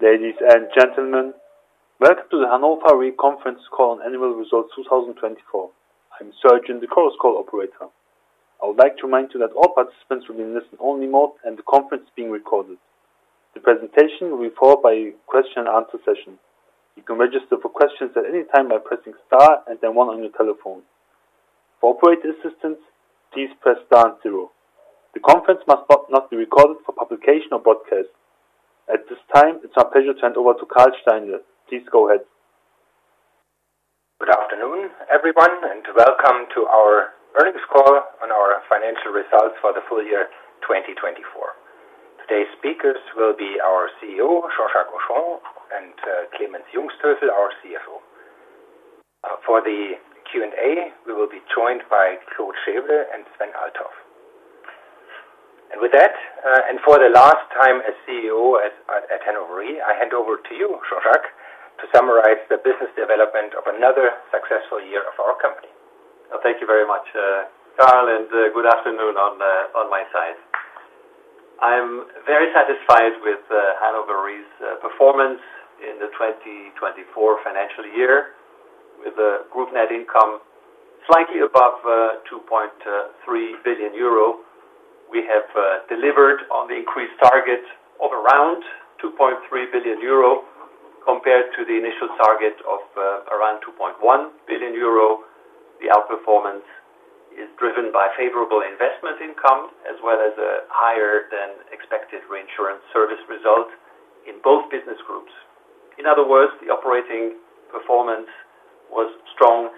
Ladies and gentlemen, welcome to the Hannover Re Conference call on Annual Results 2024. I'm Sergeant, the call's call operator. I would like to remind you that all participants will be in listen-only mode and the conference is being recorded. The presentation will be followed by a question-and-answer session. You can register for questions at any time by pressing star and then one on your telephone. For operator assistance, please press star and zero. The conference must not be recorded for publication or broadcast. At this time, it's my pleasure to hand over to Karl Steinle. Please go ahead. Good afternoon, everyone, and welcome to our earnings call on our financial results for the full year 2024. Today's speakers will be our CEO, Jean-Jacques Henchoz, and Clemens Jungsthöfel, our CFO. For the Q&A, we will be joined by Claude Chèvre and Sven Althoff. With that, and for the last time as CEO at Hannover Re, I hand over to you, Jean-Jacques, to summarize the business development of another successful year of our company. Thank you very much, Karl, and good afternoon on my side. I'm very satisfied with Hannover Re's performance in the 2024 financial year. With the group net income slightly above 2.3 billion euro, we have delivered on the increased target of around 2.3 billion euro compared to the initial target of around 2.1 billion euro. The outperformance is driven by favorable investment income as well as a higher-than-expected reinsurance service result in both business groups. In other words, the operating performance was strong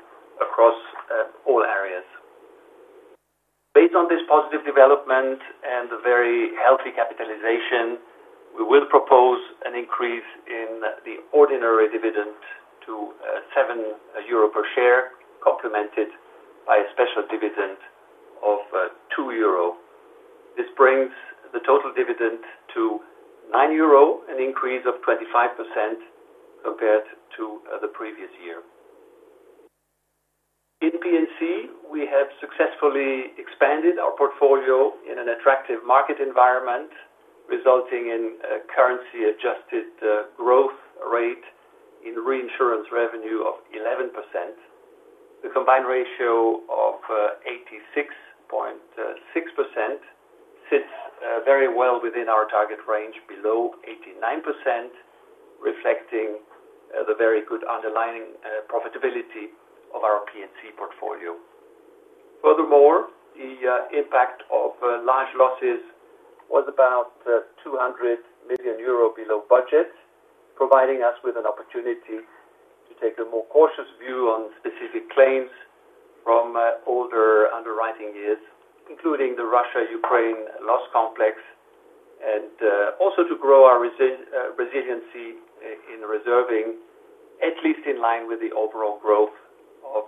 across all areas. Based on this positive development and the very healthy capitalization, we will propose an increase in the ordinary dividend to 7 euro per share, complemented by a special dividend of 2 euro. This brings the total dividend to 9 euro, an increase of 25% compared to the previous year. In P&C, we have successfully expanded our portfolio in an attractive market environment, resulting in a currency-adjusted growth rate in reinsurance revenue of 11%. The combined ratio of 86.6% sits very well within our target range below 89%, reflecting the very good underlying profitability of our P&C portfolio. Furthermore, the impact of large losses was about 200 million euro below budget, providing us with an opportunity to take a more cautious view on specific claims from older underwriting years, including the Russia-Ukraine loss complex, and also to grow our resiliency in reserving, at least in line with the overall growth of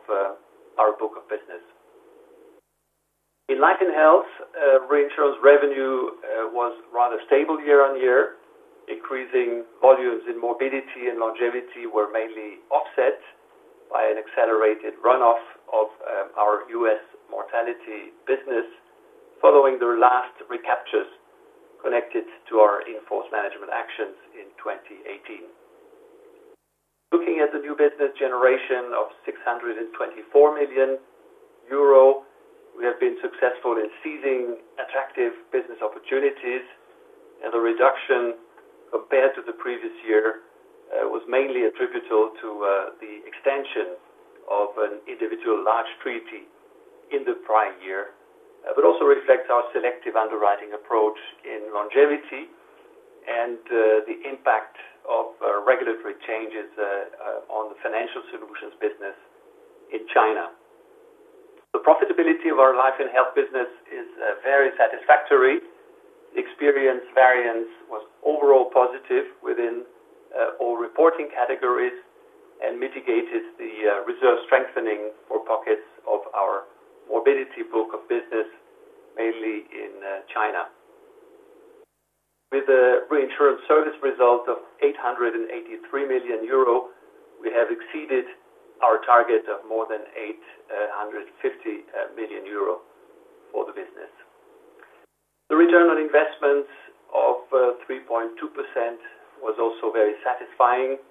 our book of business. In life and health, reinsurance revenue was rather stable year-on-year. Increasing volumes in morbidity and longevity were mainly offset by an accelerated run-off of our U.S. mortality business following the last recaptures connected to our in-force management actions in 2018. Looking at the new business generation of 624 million euro, we have been successful in seizing attractive business opportunities, and the reduction compared to the previous year was mainly attributable to the extension of an individual large treaty in the prior year, but also reflects our selective underwriting approach in longevity and the impact of regulatory changes on the financial solutions business in China. The profitability of our life and health business is very satisfactory. Experience variance was overall positive within all reporting categories and mitigated the reserve strengthening for pockets of our morbidity book of business, mainly in China. With the reinsurance service result of 883 million euro, we have exceeded our target of more than 850 million euro for the business. The return on investments of 3.2% was also very satisfying.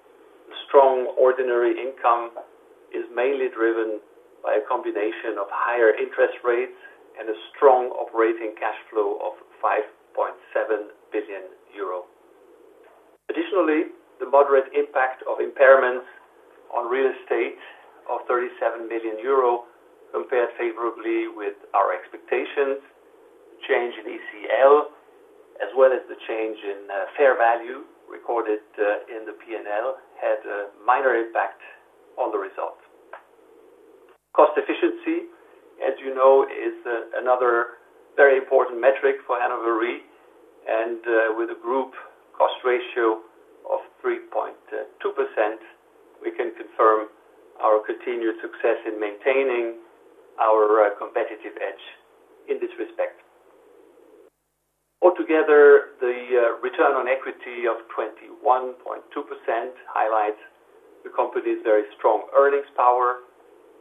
Strong ordinary income is mainly driven by a combination of higher interest rates and a strong operating cash flow of 5.7 billion euro. Additionally, the moderate impact of impairments on real estate of 37 million euro compared favorably with our expectations, change in ECL, as well as the change in fair value recorded in the P&L, had a minor impact on the result. Cost efficiency, as you know, is another very important metric for Hannover Re. With a group cost ratio of 3.2%, we can confirm our continued success in maintaining our competitive edge in this respect. Altogether, the return on equity of 21.2% highlights the company's very strong earnings power,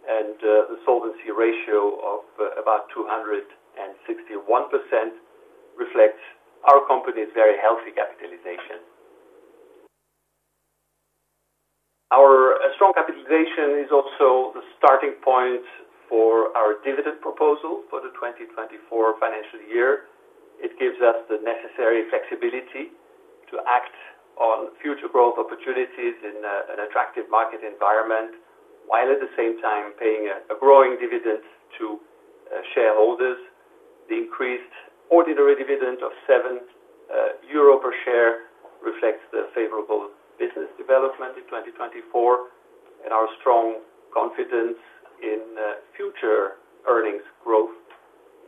and the solvency ratio of about 261% reflects our company's very healthy capitalization. Our strong capitalization is also the starting point for our dividend proposal for the 2024 financial year. It gives us the necessary flexibility to act on future growth opportunities in an attractive market environment while at the same time paying a growing dividend to shareholders. The increased ordinary dividend of 7 euro per share reflects the favorable business development in 2024 and our strong confidence in future earnings growth,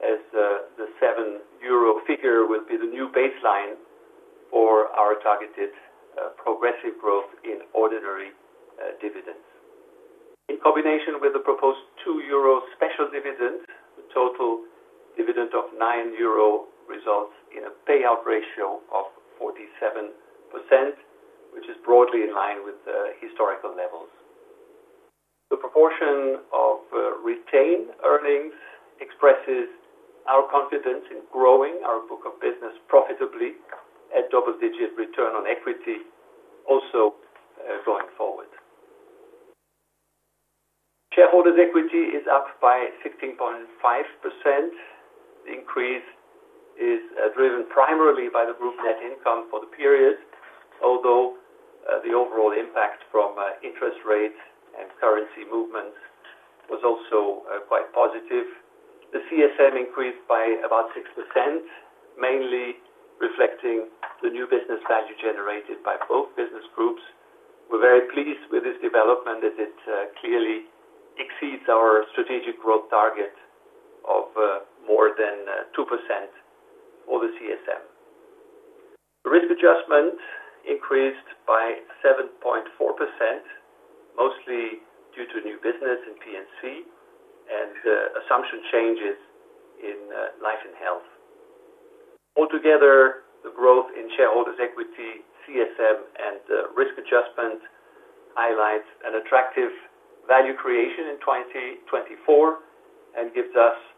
as the 7 euro figure will be the new baseline for our targeted progressive growth in ordinary dividends. In combination with the proposed 2 euro special dividend, the total dividend of 9 euro results in a payout ratio of 47%, which is broadly in line with historical levels. The proportion of retained earnings expresses our confidence in growing our book of business profitably at double-digit return on equity also going forward. Shareholders' equity is up by 16.5%. The increase is driven primarily by the group net income for the period, although the overall impact from interest rates and currency movements was also quite positive. The CSM increased by about 6%, mainly reflecting the new business value generated by both business groups. We're very pleased with this development as it clearly exceeds our strategic growth target of more than 2% for the CSM. The risk adjustment increased by 7.4%, mostly due to new business in P&C and assumption changes in life and health. Altogether, the growth in shareholders' equity, CSM, and risk adjustment highlights an attractive value creation in 2024 and gives us a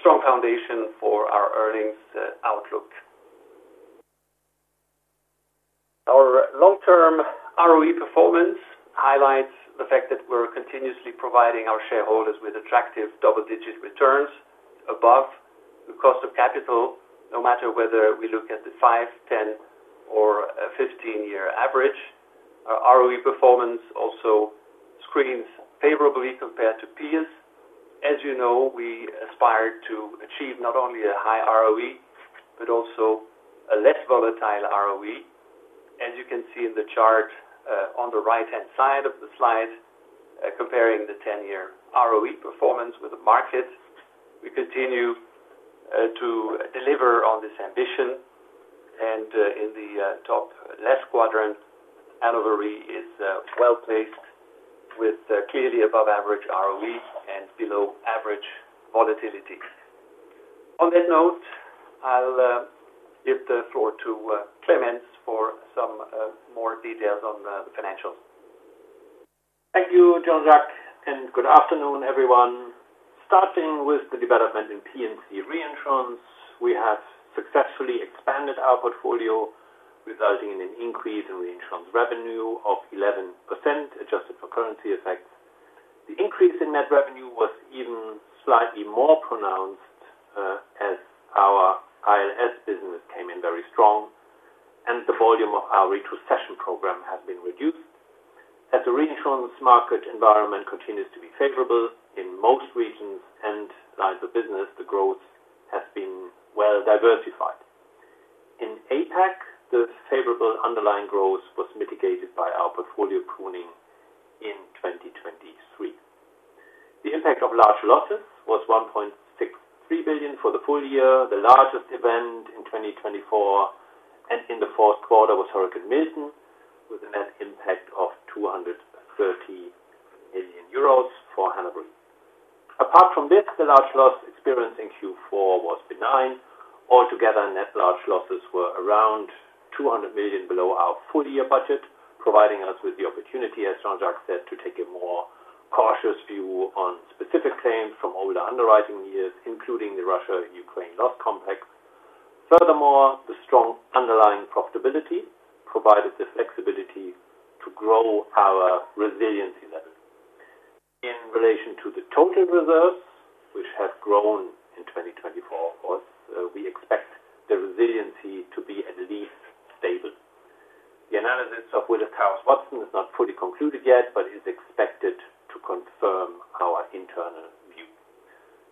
strong foundation for our earnings outlook. Our long-term ROE performance highlights the fact that we're continuously providing our shareholders with attractive double-digit returns above the cost of capital, no matter whether we look at the 5, 10, or 15-year average. Our ROE performance also screens favorably compared to peers. As you know, we aspire to achieve not only a high ROE, but also a less volatile ROE. As you can see in the chart on the right-hand side of the slide, comparing the 10-year ROE performance with the market, we continue to deliver on this ambition. In the top left quadrant, Hannover Re is well placed with clearly above-average ROE and below-average volatility. On that note, I'll give the floor to Clemens for some more details on the financials. Thank you, Jean-Jacques, and good afternoon, everyone. Starting with the development in P&C reinsurance, we have successfully expanded our portfolio, resulting in an increase in reinsurance revenue of 11%, adjusted for currency effects. The increase in net revenue was even slightly more pronounced as our ILS business came in very strong, and the volume of our retrocession program has been reduced. As the reinsurance market environment continues to be favorable in most regions and lines of business, the growth has been well diversified. In APAC, the favorable underlying growth was mitigated by our portfolio pruning in 2023. The impact of large losses was 1.63 billion for the full year. The largest event in 2024 and in the fourth quarter was Hurricane Milton, with a net impact of 230 million euros for Hannover Re. Apart from this, the large loss experienced in Q4 was benign. Altogether, net large losses were around 200 million below our full-year budget, providing us with the opportunity, as Jean-Jacques said, to take a more cautious view on specific claims from older underwriting years, including the Russia-Ukraine loss complex. Furthermore, the strong underlying profitability provided the flexibility to grow our resiliency level. In relation to the total reserves, which have grown in 2024, of course, we expect the resiliency to be at least stable. The analysis of Willis Towers Watson is not fully concluded yet, but is expected to confirm our internal view.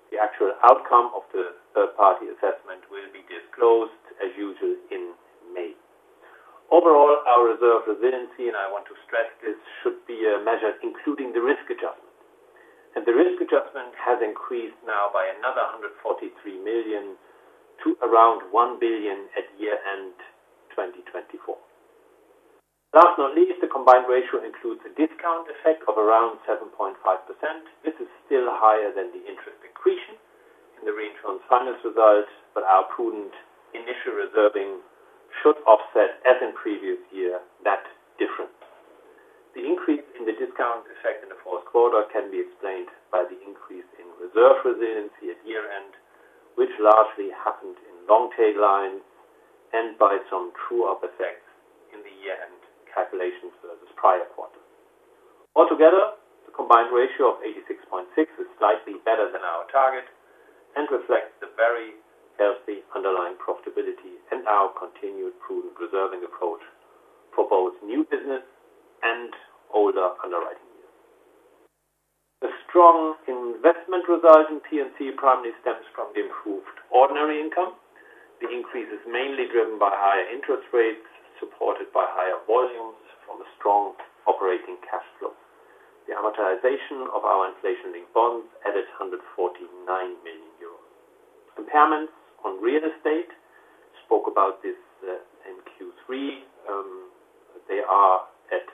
The actual outcome of the third-party assessment will be disclosed, as usual, in May. Overall, our reserve resiliency, and I want to stress this, should be measured, including the risk adjustment. The risk adjustment has increased now by another 143 million to around 1 billion at year-end 2024. Last but not least, the combined ratio includes a discount effect of around 7.5%. This is still higher than the interest increase in the reinsurance finance result, but our prudent initial reserving should offset, as in previous years, that difference. The increase in the discount effect in the fourth quarter can be explained by the increase in reserve resiliency at year-end, which largely happened in long tail lines, and by some true-up effects in the year-end calculations versus prior quarters. Altogether, the combined ratio of 86.6% is slightly better than our target and reflects the very healthy underlying profitability and our continued prudent reserving approach for both new business and older underwriting years. The strong investment result in P&C primarily stems from the improved ordinary income. The increase is mainly driven by higher interest rates supported by higher volumes from a strong operating cash flow. The amortization of our inflation-linked bonds added 149 million euros. Impairments on real estate spoke about this in Q3. They are at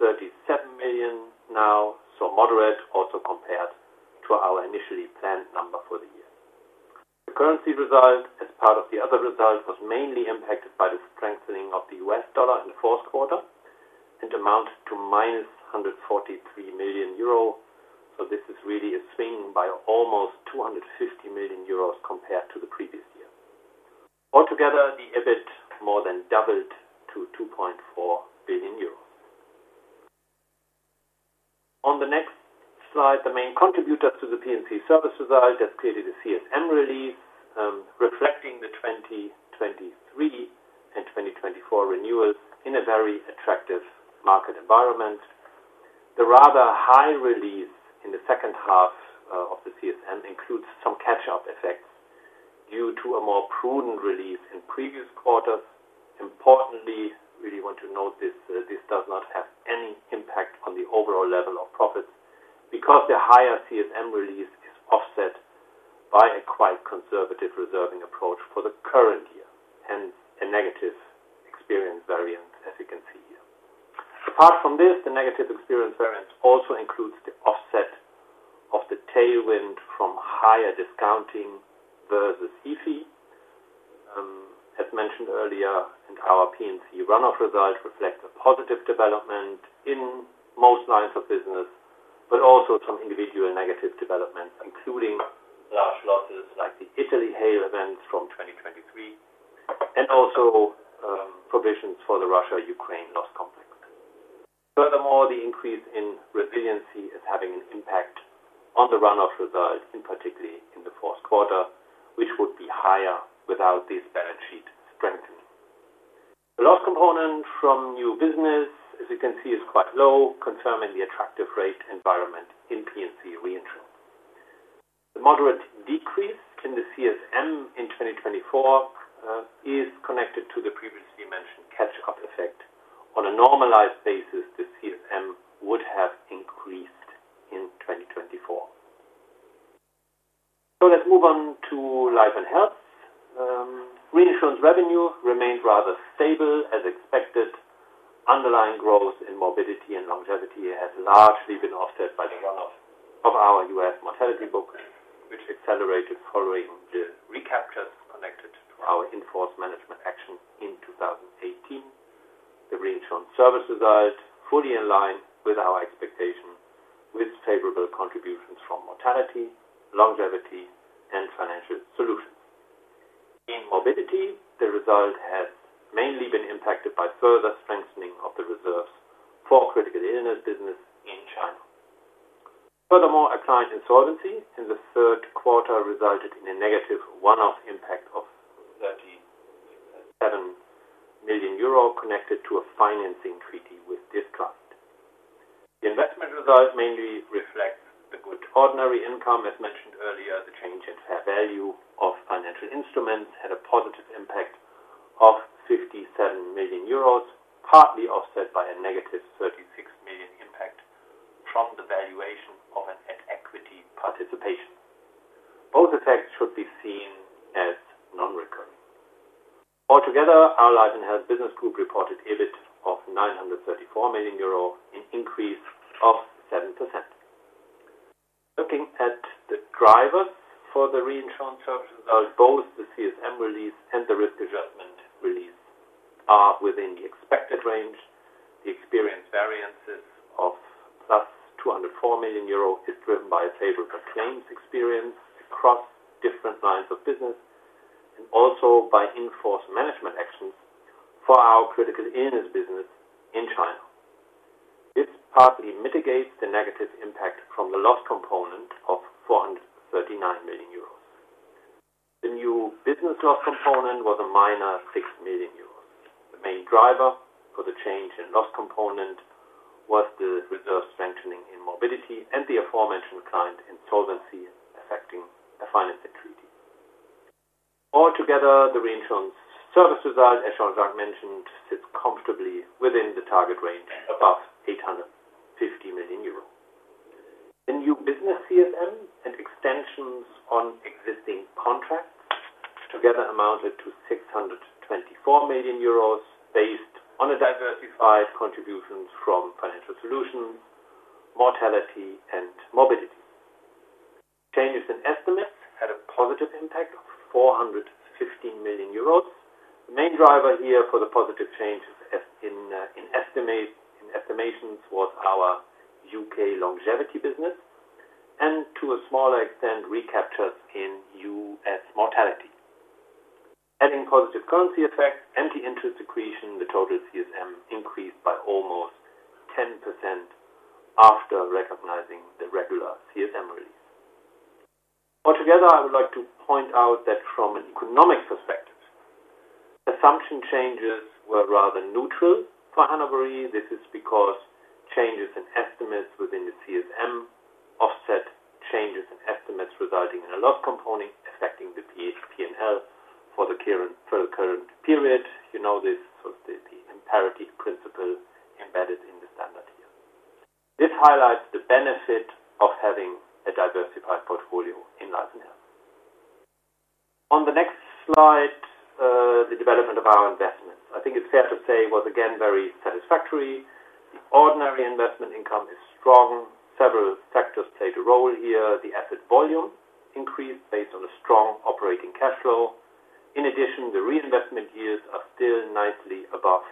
37 million now, so moderate, also compared to our initially planned number for the year. The currency result, as part of the other result, was mainly impacted by the strengthening of the U.S. dollar in the fourth quarter and amounted to 143 million euro. This is really a swing by almost 250 million euros compared to the previous year. Altogether, the EBIT more than doubled to EUR 2.4 billion. On the next slide, the main contributor to the P&C service result has created a CSM release reflecting the 2023 and 2024 renewals in a very attractive market environment. The rather high release in the second half of the CSM includes some catch-up effects due to a more prudent release in previous quarters. Importantly, we really want to note this does not have any impact on the overall level of profits because the higher CSM release is offset by a quite conservative reserving approach for the current year, hence a negative experience variance, as you can see here. Apart from this, the negative experience variance also includes the offset of the tailwind from higher discounting versus EFI. As mentioned earlier, our P&C run-off result reflects a positive development in most lines of business, but also some individual negative developments, including large losses like the Italy hail events from 2023 and also provisions for the Russia-Ukraine loss complex. Furthermore, the increase in resiliency is having an impact on the run-off result, particularly in the fourth quarter, which would be higher without this balance sheet strengthening. The loss component from new business, as you can see, is quite low, confirming the attractive rate environment in P&C reinsurance. The moderate decrease in the CSM in 2024 is connected to the previously mentioned catch-up effect. On a normalized basis, the CSM would have increased in 2024. Let's move on to life and health. Reinsurance revenue remained rather stable, as expected. Underlying growth in morbidity and longevity has largely been offset by the run-off of our U.S. mortality book, which accelerated following the recaptures connected to our enforced management actions in 2018. The reinsurance service result is fully in line with our expectation, with favorable contributions from mortality, longevity, and financial solutions. In morbidity, the result has mainly been impacted by further strengthening of the reserves for critical illness business in China. Furthermore, a client insolvency in the third quarter resulted in a negative run-off impact of 37 million euro connected to a financing treaty with this client. The investment result mainly reflects the good ordinary income. As mentioned earlier, the change in fair value of financial instruments had a positive impact of 57 million euros, partly offset by a -36 million impact from the valuation of a net equity participation. Both effects should be seen as non-recurring. Altogether, our life and health business group reported EBIT of 934 million euro, an increase of 7%. Looking at the drivers for the reinsurance service result, both the CSM release and the risk adjustment release are within the expected range. The experience variances of 204 million euro is driven by favorable claims experience across different lines of business and also by enforced management actions for our critical illness business in China. This partly mitigates the negative impact from the loss component of 439 million euros. The new business loss component was a minor 6 million euros. The main driver for the change in loss component was the reserve strengthening in morbidity and the aforementioned client insolvency affecting a financing treaty. Altogether, the reinsurance service result, as Jean-Jacques mentioned, sits comfortably within the target range above 850 million euro. The new business CSM and extensions on existing contracts together amounted to 624 million euros based on diversified contributions from financial solutions, mortality, and morbidity. Changes in estimates had a positive impact of 415 million euros. The main driver here for the positive change in estimations was our U.K. longevity business and, to a smaller extent, recaptures in U.S. mortality. Adding positive currency effects and the interest accretion, the total CSM increased by almost 10% after recognizing the regular CSM release. Altogether, I would like to point out that from an economic perspective, assumption changes were rather neutral for Hannover Re. This is because changes in estimates within the CSM offset changes in estimates resulting in a loss component affecting the P&L in life and health for the current period. You know this, so it's the imparity principle embedded in the standard here. This highlights the benefit of having a diversified portfolio in life and health. On the next slide, the development of our investments. I think it's fair to say it was again very satisfactory. The ordinary investment income is strong. Several factors played a role here. The asset volume increased based on a strong operating cash flow. In addition, the reinvestment yields are still nicely above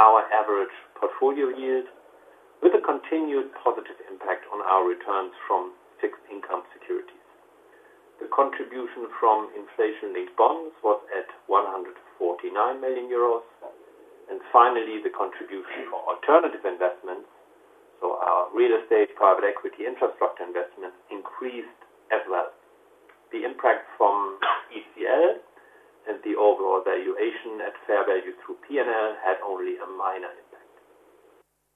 our average portfolio yield, with a continued positive impact on our returns from fixed income securities. The contribution from inflation-linked bonds was at 149 million euros. Finally, the contribution for alternative investments, so our real estate, private equity, infrastructure investments, increased as well. The impact from ECL and the overall valuation at fair value through P&L had only a minor impact.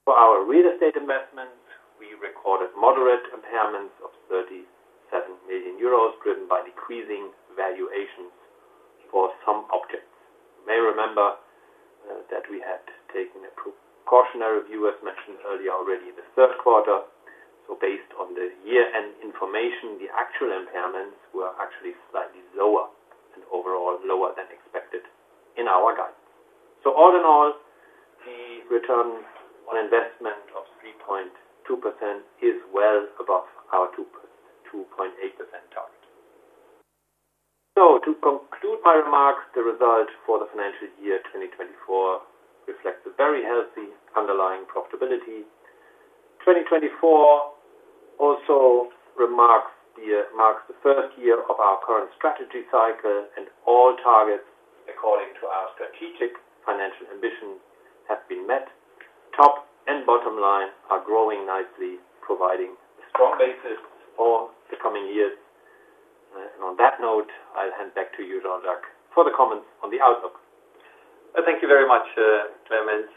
For our real estate investments, we recorded moderate impairments of 37 million euros driven by decreasing valuations for some objects. You may remember that we had taken a precautionary view, as mentioned earlier already, in the third quarter. Based on the year-end information, the actual impairments were actually slightly lower and overall lower than expected in our guidance. All in all, the return on investment of 3.2% is well above our 2.8% target. To conclude my remarks, the result for the financial year 2024 reflects a very healthy underlying profitability. 2024 also marks the first year of our current strategy cycle, and all targets, according to our strategic financial ambition, have been met. Top and bottom line are growing nicely, providing a strong basis for the coming years. On that note, I'll hand back to you, Jean-Jacques, for the comments on the outlook. Thank you very much, Clemens.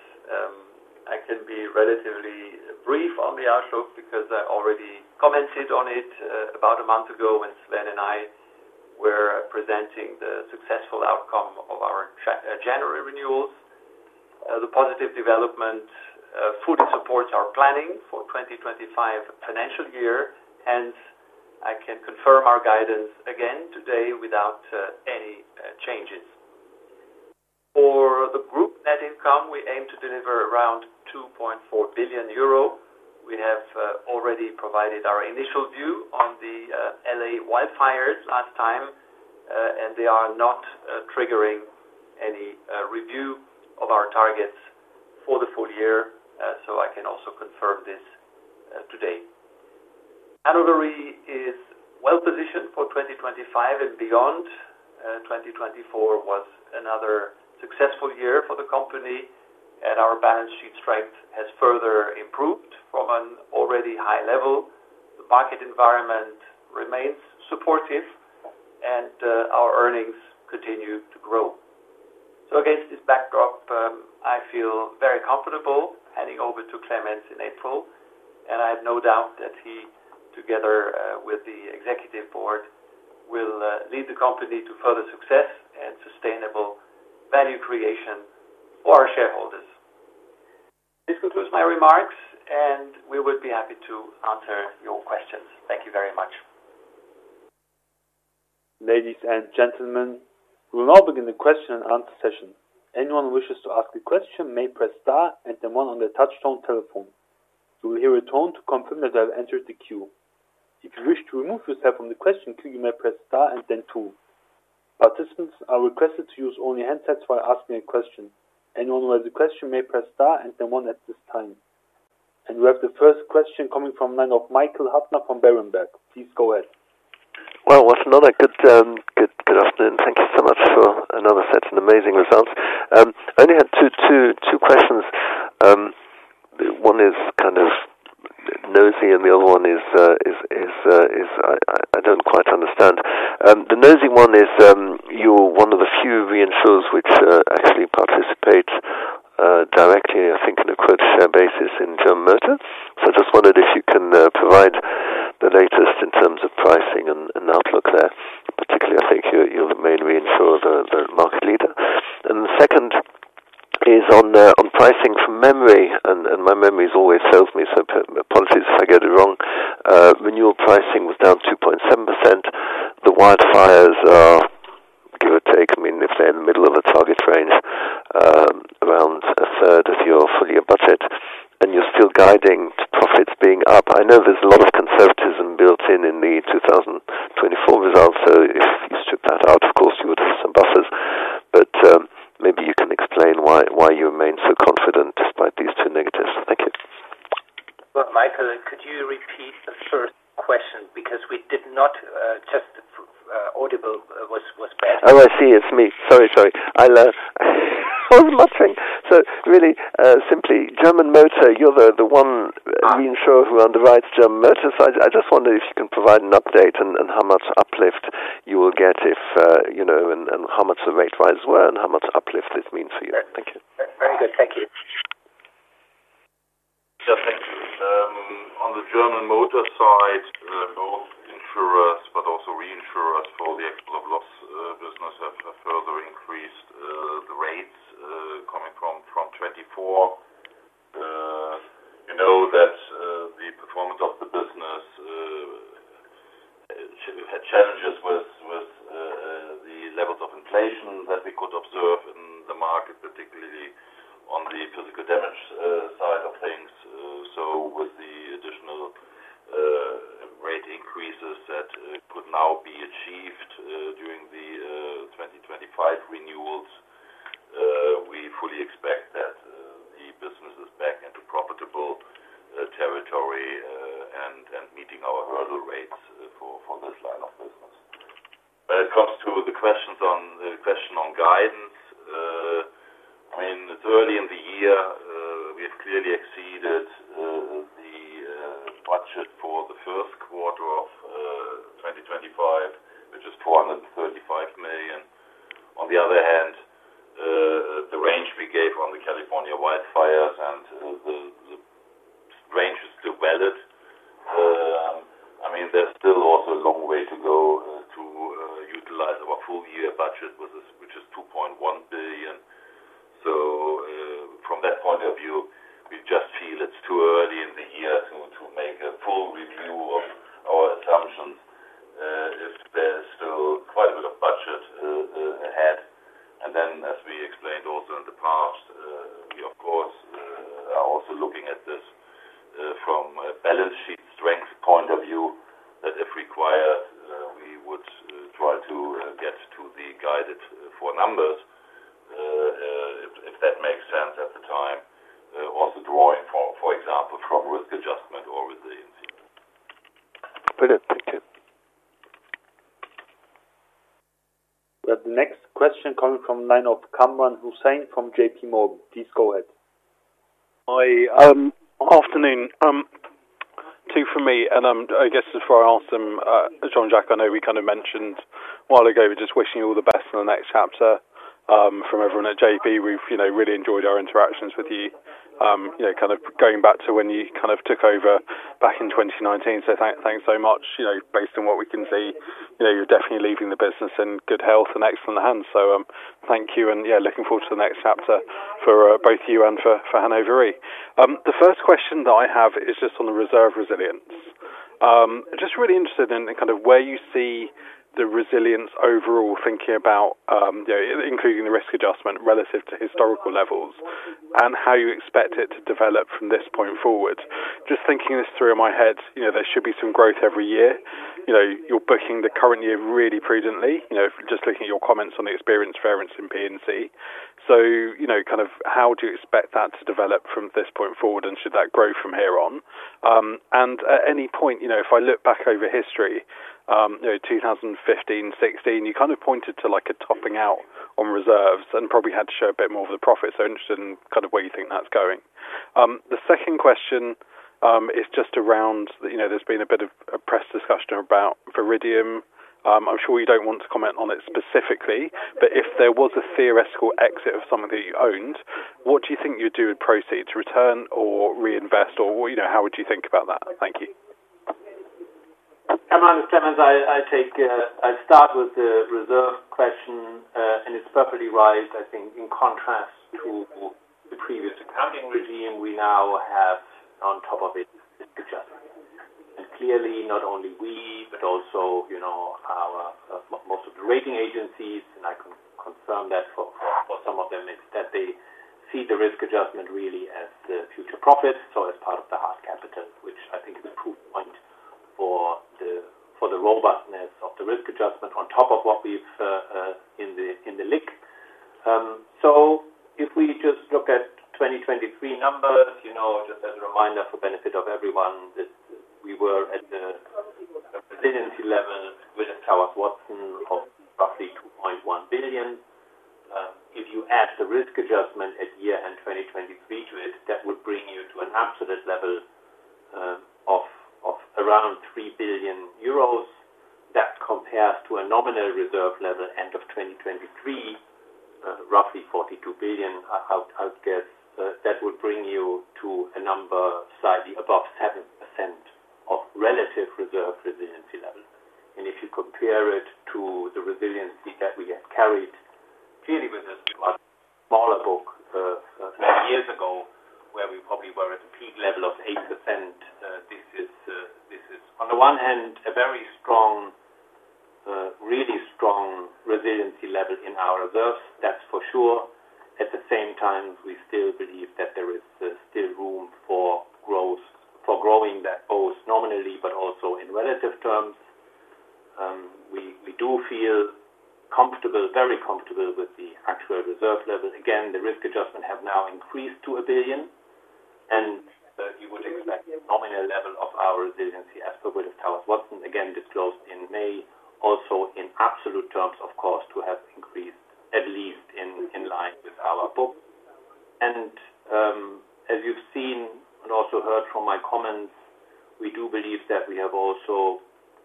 I can be relatively brief on the outlook because I already commented on it about a month ago when Sven and I were presenting the successful outcome of our January renewals. The positive development fully supports our planning for 2025 financial year, hence I can confirm our guidance again today without any changes. For the group net income, we aim to deliver around 2.4 billion euro. We have already provided our initial view on the LA wildfires last time, and they are not triggering any review of our targets for the full year, so I can also confirm this today. Hannover Re is well positioned for 2025 and beyond. 2024 was another successful year for the company, and our balance sheet strength has further improved from an already high level. The market environment remains supportive, and our earnings continue to grow. Against this backdrop, I feel very comfortable handing over to Clemens in April, and I have no doubt that he, together with the executive board, will lead the company to further success and sustainable value creation for our shareholders. This concludes my remarks, and we would be happy to answer your questions. Thank you very much. Ladies and gentlemen, we will now begin the question-and-answer session. Anyone who wishes to ask a question may press star and then one on the touch-tone telephone. You will hear a tone to confirm that you have entered the queue. If you wish to remove yourself from the question queue, you may press star and then two. Participants are requested to use only handsets while asking a question. Anyone who has a question may press star and then one at this time. We have the first question coming from the line of Michael Huttner from Berenberg. Please go ahead. Another good afternoon. Thank you so much for another such amazing result. I only had two questions. One is kind of nosy, and the other one is I do not quite understand. The nosy one is you are one of the few reinsurers which actually participate directly, I think, on a quota share basis in German motors. I just wondered if you can provide the latest in terms of pricing and outlook there. Particularly, I think you're the main reinsurer, the market leader. The second is on pricing from memory, and my memory always serves me, so apologies if I get it wrong. Renewal pricing was down 2.7%. The wildfires, give or take, I mean, if they're in the middle of a target range, around a third of your fully abuted, and you're still guiding to profits being up. I know there's a lot of conservatism built in in the 2024 result, so if you strip that out, of course, you would have some buffers. Maybe you can explain why you remain so confident despite these two negatives. Thank you. Michael, could you repeat the first question? Because we did not, just audible was bad. Oh, I see. It's me. Sorry, sorry. I was muttering. Really simply, German motors, you're the one reinsurer who underwrites German motors. I just wondered if you can provide an update and how much uplift you will get and how much the rate rises were and how much uplift this means for you. Thank you. Very good. Thank you. Yes, thank you. On the German motor side, both insurers but also reinsurers for the actual loss business have further increased the rates coming from 2024. You know that the performance of the business had challenges with the levels of inflation that we could observe in the market, particularly on the physical damage side of things. With the additional rate increases that could now be achieved during the 2025 renewals, we fully expect that the business is back into profitable territory and meeting our hurdle rates for this line of business. When it comes to the question on guidance, I mean, it's early in the year. We have clearly exceeded the budget for the first quarter of 2025, which is 435 million. On the other hand, the range we gave on the California wildfires and the range is still valid. I mean, there's still also a long way to go to utilize our full year budget, which is 2.1 billion. From that point of view, we just feel it's too early in the year to make a full review of our assumptions if there's still quite a bit of budget ahead. As we explained also in the past, we, of course, are also looking at this from a balance sheet strength point of view that, if required, we would try to get to the guided four numbers, if that makes sense at the time, also drawing, for example, from risk adjustment or with the incident. Brilliant. Thank you. We have the next question coming from the line of Kamran Hossain from JPMorgan. Please go ahead. Hi. Good afternoon. Two from me. I guess before I ask them, Jean-Jacques, I know we kind of mentioned a while ago, we're just wishing you all the best in the next chapter from everyone at JP. We've really enjoyed our interactions with you, kind of going back to when you kind of took over back in 2019. So thanks so much. Based on what we can see, you're definitely leaving the business in good health and excellent hands. Thank you. Yeah, looking forward to the next chapter for both you and for Hannover Re. The first question that I have is just on the reserve resilience. Just really interested in kind of where you see the resilience overall, thinking about including the risk adjustment relative to historical levels and how you expect it to develop from this point forward. Just thinking this through in my head, there should be some growth every year. You're booking the current year really prudently, just looking at your comments on the experience variance in P&C. Kind of how do you expect that to develop from this point forward, and should that grow from here on? At any point, if I look back over history, 2015, 2016, you kind of pointed to a topping out on reserves and probably had to show a bit more of the profits. Interested in kind of where you think that's going. The second question is just around there's been a bit of press discussion about Viridium. I'm sure you don't want to comment on it specifically, but if there was a theoretical exit of something that you owned, what do you think you'd do with proceeds? To return or reinvest? Or how would you think about that? Thank you. Clemens, I start with the reserve question, and it's perfectly right. I think in contrast to the previous accounting regime, we now have on top of it risk adjustment. Clearly, not only we, but also most of the rating agencies, and I can confirm that for some of them, is that they see the risk adjustment really as the future profits, so as part of the hard capital, which I think is a proof point for the robustness of the risk adjustment on top of what we've in the LIC. If we just look at 2023 numbers, just as a reminder for the benefit of everyone, we were at the resiliency level with a Klaus Watson of roughly 2.1 billion. If you add the risk adjustment at year-end 2023 to it, that would bring you to an absolute level of around 3 billion euros. That compares to a nominal reserve level end of 2023, roughly 42 billion, I would guess. That would bring you to a number slightly above 7% of relative reserve resiliency level. If you compare it to the resiliency that we have carried, clearly with a smaller book years ago where we probably were at a peak level of 8%, this is, on the one hand, a very strong, really strong resiliency level in our reserves, that's for sure. At the same time, we still believe that there is still room for growth, for growing that both nominally but also in relative terms. We do feel comfortable, very comfortable with the actual reserve level. Again, the risk adjustment has now increased to 1 billion. You would expect a nominal level of our resiliency as per with Willis Towers Watson, again, disclosed in May, also in absolute terms, of course, to have increased at least in line with our book. As you have seen and also heard from my comments, we do believe that we have also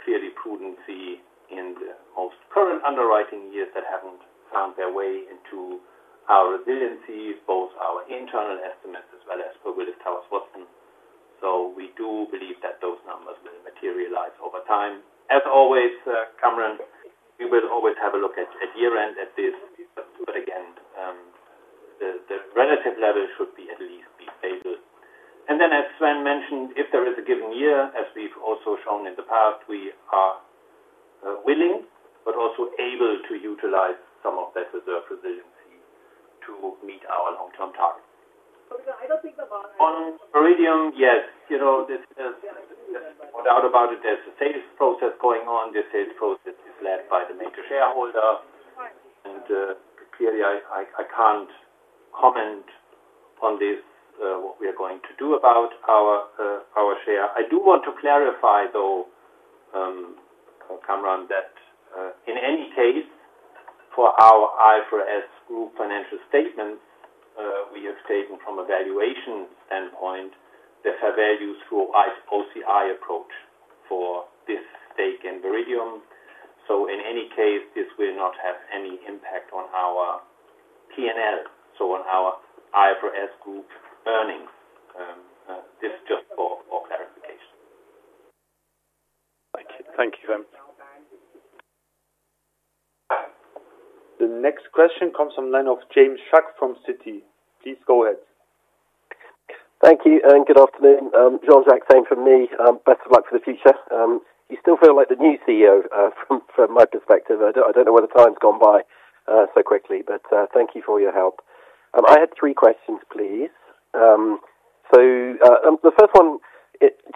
clearly prudency in the most current underwriting years that have not found their way into our resiliency, both our internal estimates as well as per with a Klaus Watson. We do believe that those numbers will materialize over time. As always, Cameron, we will always have a look at year-end at this. Again, the relative level should at least be stable. As Sven mentioned, if there is a given year, as we have also shown in the past, we are willing but also able to utilize some of that reserve resiliency to meet our long-term targets. I do not think the bar. On Viridium, yes. There is no doubt about it. There is a sales process going on. The sales process is led by the major shareholder. Clearly, I can't comment on this, what we are going to do about our share. I do want to clarify, though, Cameron, that in any case, for our IFRS Group financial statements, we have taken from a valuation standpoint, they have values through a wide OCI approach for this stake in Viridium. In any case, this will not have any impact on our P&L, so on our IFRS Group earnings. This is just for clarification. Thank you. Thank you. The next question comes from the line of James Shuck from Citi. Please go ahead. Thank you. Good afternoon. Jean-Jacques, same from me. Best of luck for the future. You still feel like the new CEO from my perspective. I don't know where the time's gone by so quickly, but thank you for your help. I had three questions, please. The first one,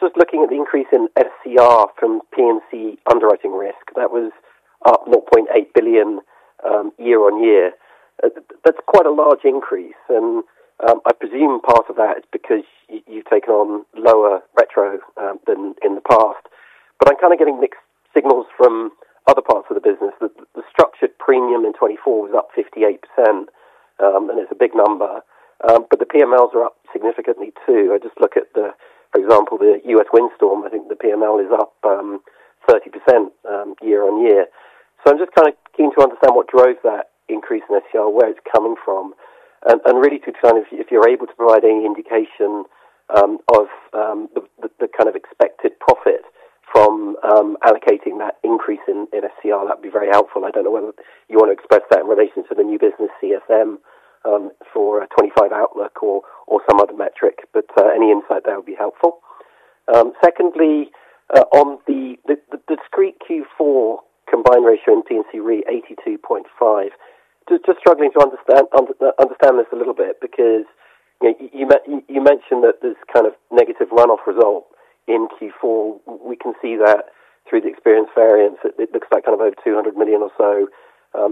just looking at the increase in FCR from P&C underwriting risk, that was up 0.8 billion year-on-year. That's quite a large increase. I presume part of that is because you've taken on lower retro than in the past. I'm kind of getting mixed signals from other parts of the business. The structured premium in 2024 was up 58%, and it's a big number. The PMLs are up significantly too. I just look at, for example, the U.S. windstorm. I think the PML is up 30% year-on-year. I'm just kind of keen to understand what drove that increase in FCR, where it's coming from. Really to try and, if you're able to provide any indication of the kind of expected profit from allocating that increase in FCR, that would be very helpful. I don't know whether you want to express that in relation to the new business CSM for 2025 outlook or some other metric, but any insight there would be helpful. Secondly, on the discrete Q4 combined ratio and P&C re, 82.5, just struggling to understand this a little bit because you mentioned that there's kind of negative runoff result in Q4. We can see that through the experience variance. It looks like kind of over 200 million or so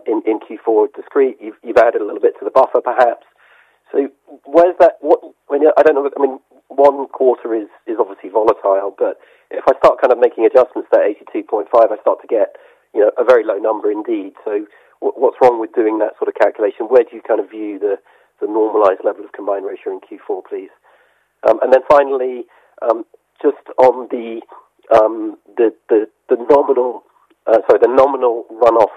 in Q4 discrete. You've added a little bit to the buffer, perhaps. Where's that? I don't know. I mean, one quarter is obviously volatile, but if I start kind of making adjustments to that 82.5, I start to get a very low number indeed. What's wrong with doing that sort of calculation? Where do you kind of view the normalized level of combined ratio in Q4, please? Finally, just on the nominal, sorry, the nominal runoff,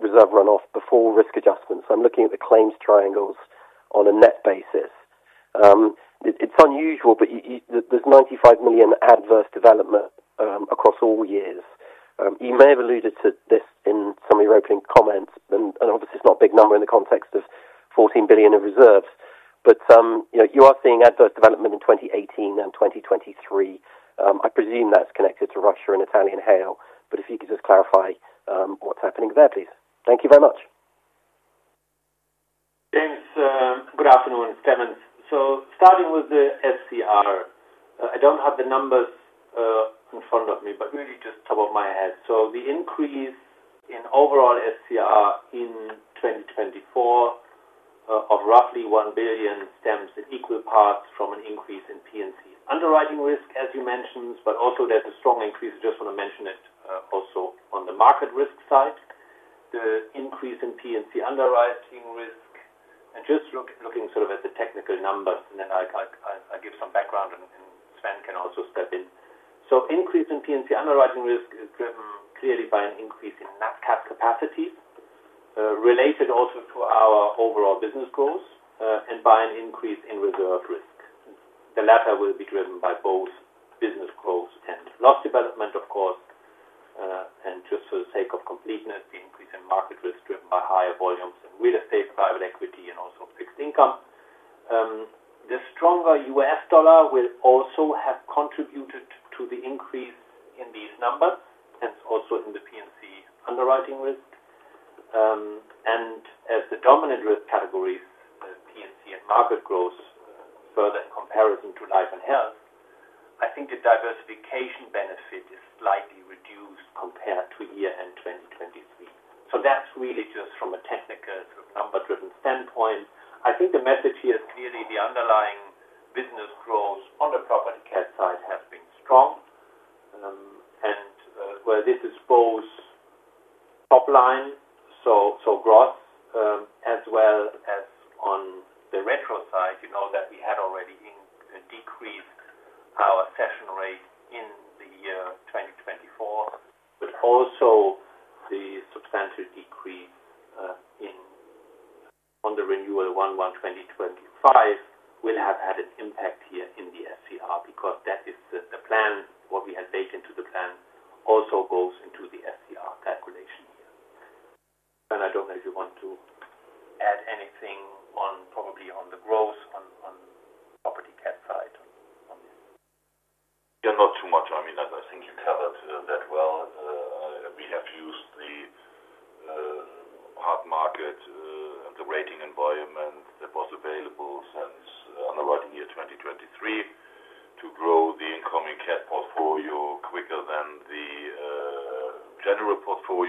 reserve runoff before risk adjustments. I'm looking at the claims triangles on a net basis. It's unusual, but there's 95 million adverse development across all years. You may have alluded to this in some of your opening comments, and obviously, it's not a big number in the context of 14 billion of reserves. You are seeing adverse development in 2018 and 2023. I presume that's connected to Russia and Italian hail. If you could just clarify what's happening there, please. Thank you very much. James, good afternoon. Clemens, starting with the FCR, I don't have the numbers in front of me, but really just top of my head. The increase in overall FCR in 2024 of roughly 1 billion stems in equal parts from an increase in P&C underwriting risk, as you mentioned, but also there is a strong increase. I just want to mention it also on the market risk side, the increase in P&C underwriting risk. Just looking sort of at the technical numbers, and then I will give some background, and Sven can also step in. The increase in P&C underwriting risk is driven clearly by an increase in NATCAT capacity related also to our overall business growth and by an increase in reserve risk. The latter will be driven by both business growth and loss development, of course. Just for the sake of completeness, the increase in market risk is driven by higher volumes in real estate, private equity, and also fixed income. The stronger U.S. dollar will also have contributed to the increase in these numbers and also in the P&C underwriting risk. As the dominant risk categories, P&C and market growth, further in comparison to life and health, I think the diversification benefit is slightly reduced compared to year-end 2023. That is really just from a technical sort of number-driven standpoint. I think the message here is clearly the underlying business growth on the property care side has been strong. Where this is both top line, so gross, as well as on the retro side, we had already decreased our session rate in the year 2024. Also, the substantial decrease on the renewal of 1/1/2025 will have had an impact here in the FCR because that is the plan. What we have baked into the plan also goes into the FCR calculation here. I do not know if you want to add anything probably on the growth on property care side on this. Not too much. I mean, I think you covered that well. We have used the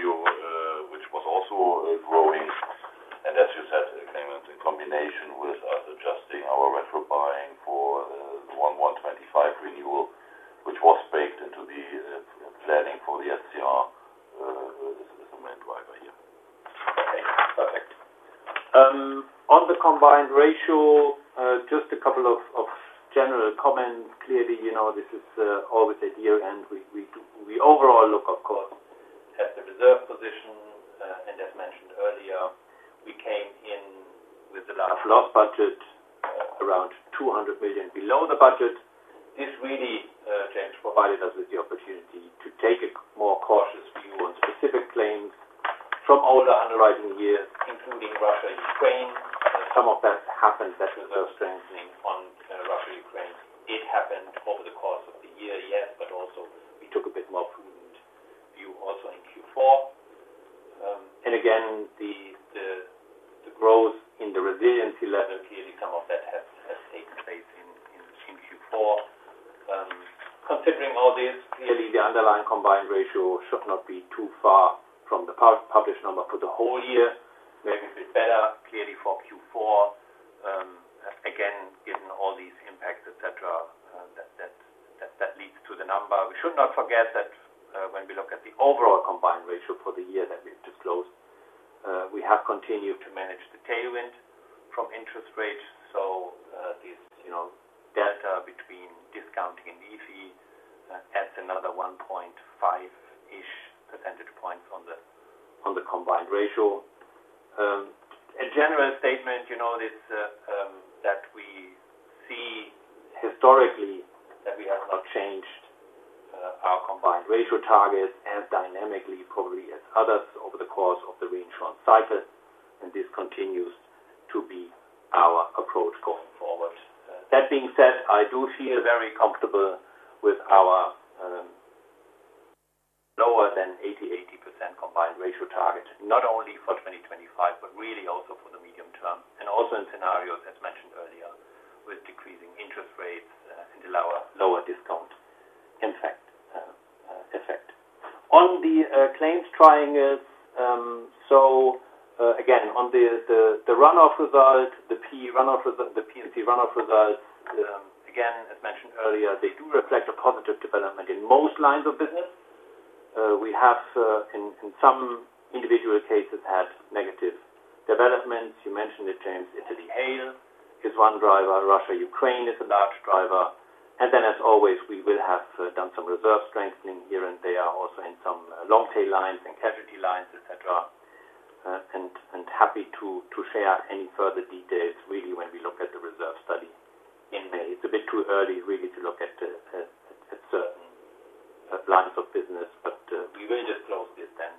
hard market, the rating environment that was available since underwriting year 2023 to grow the incoming cash portfolio quicker than the general portfolio, which was also growing. As you said, Clemens, in combination with us adjusting our retro buying for the 1/1/2025 renewal, which was baked into the planning for the FCR, is the main driver here. Okay. Perfect. On the combined ratio, just a couple of general comments. Clearly, this is always On the claims triangles, again, on the runoff result, the P&C runoff results, again, as mentioned earlier, they do reflect a positive development in most lines of business. We have, in some individual cases, had negative developments. You mentioned it, James. Italy hail is one driver. Russia-Ukraine is a large driver. Then, as always, we will have done some reserve strengthening here, and they are also in some long-tail lines and casualty lines, etc. Happy to share any further details, really, when we look at the reserve study in May. It's a bit too early, really, to look at certain lines of business, but we will disclose this then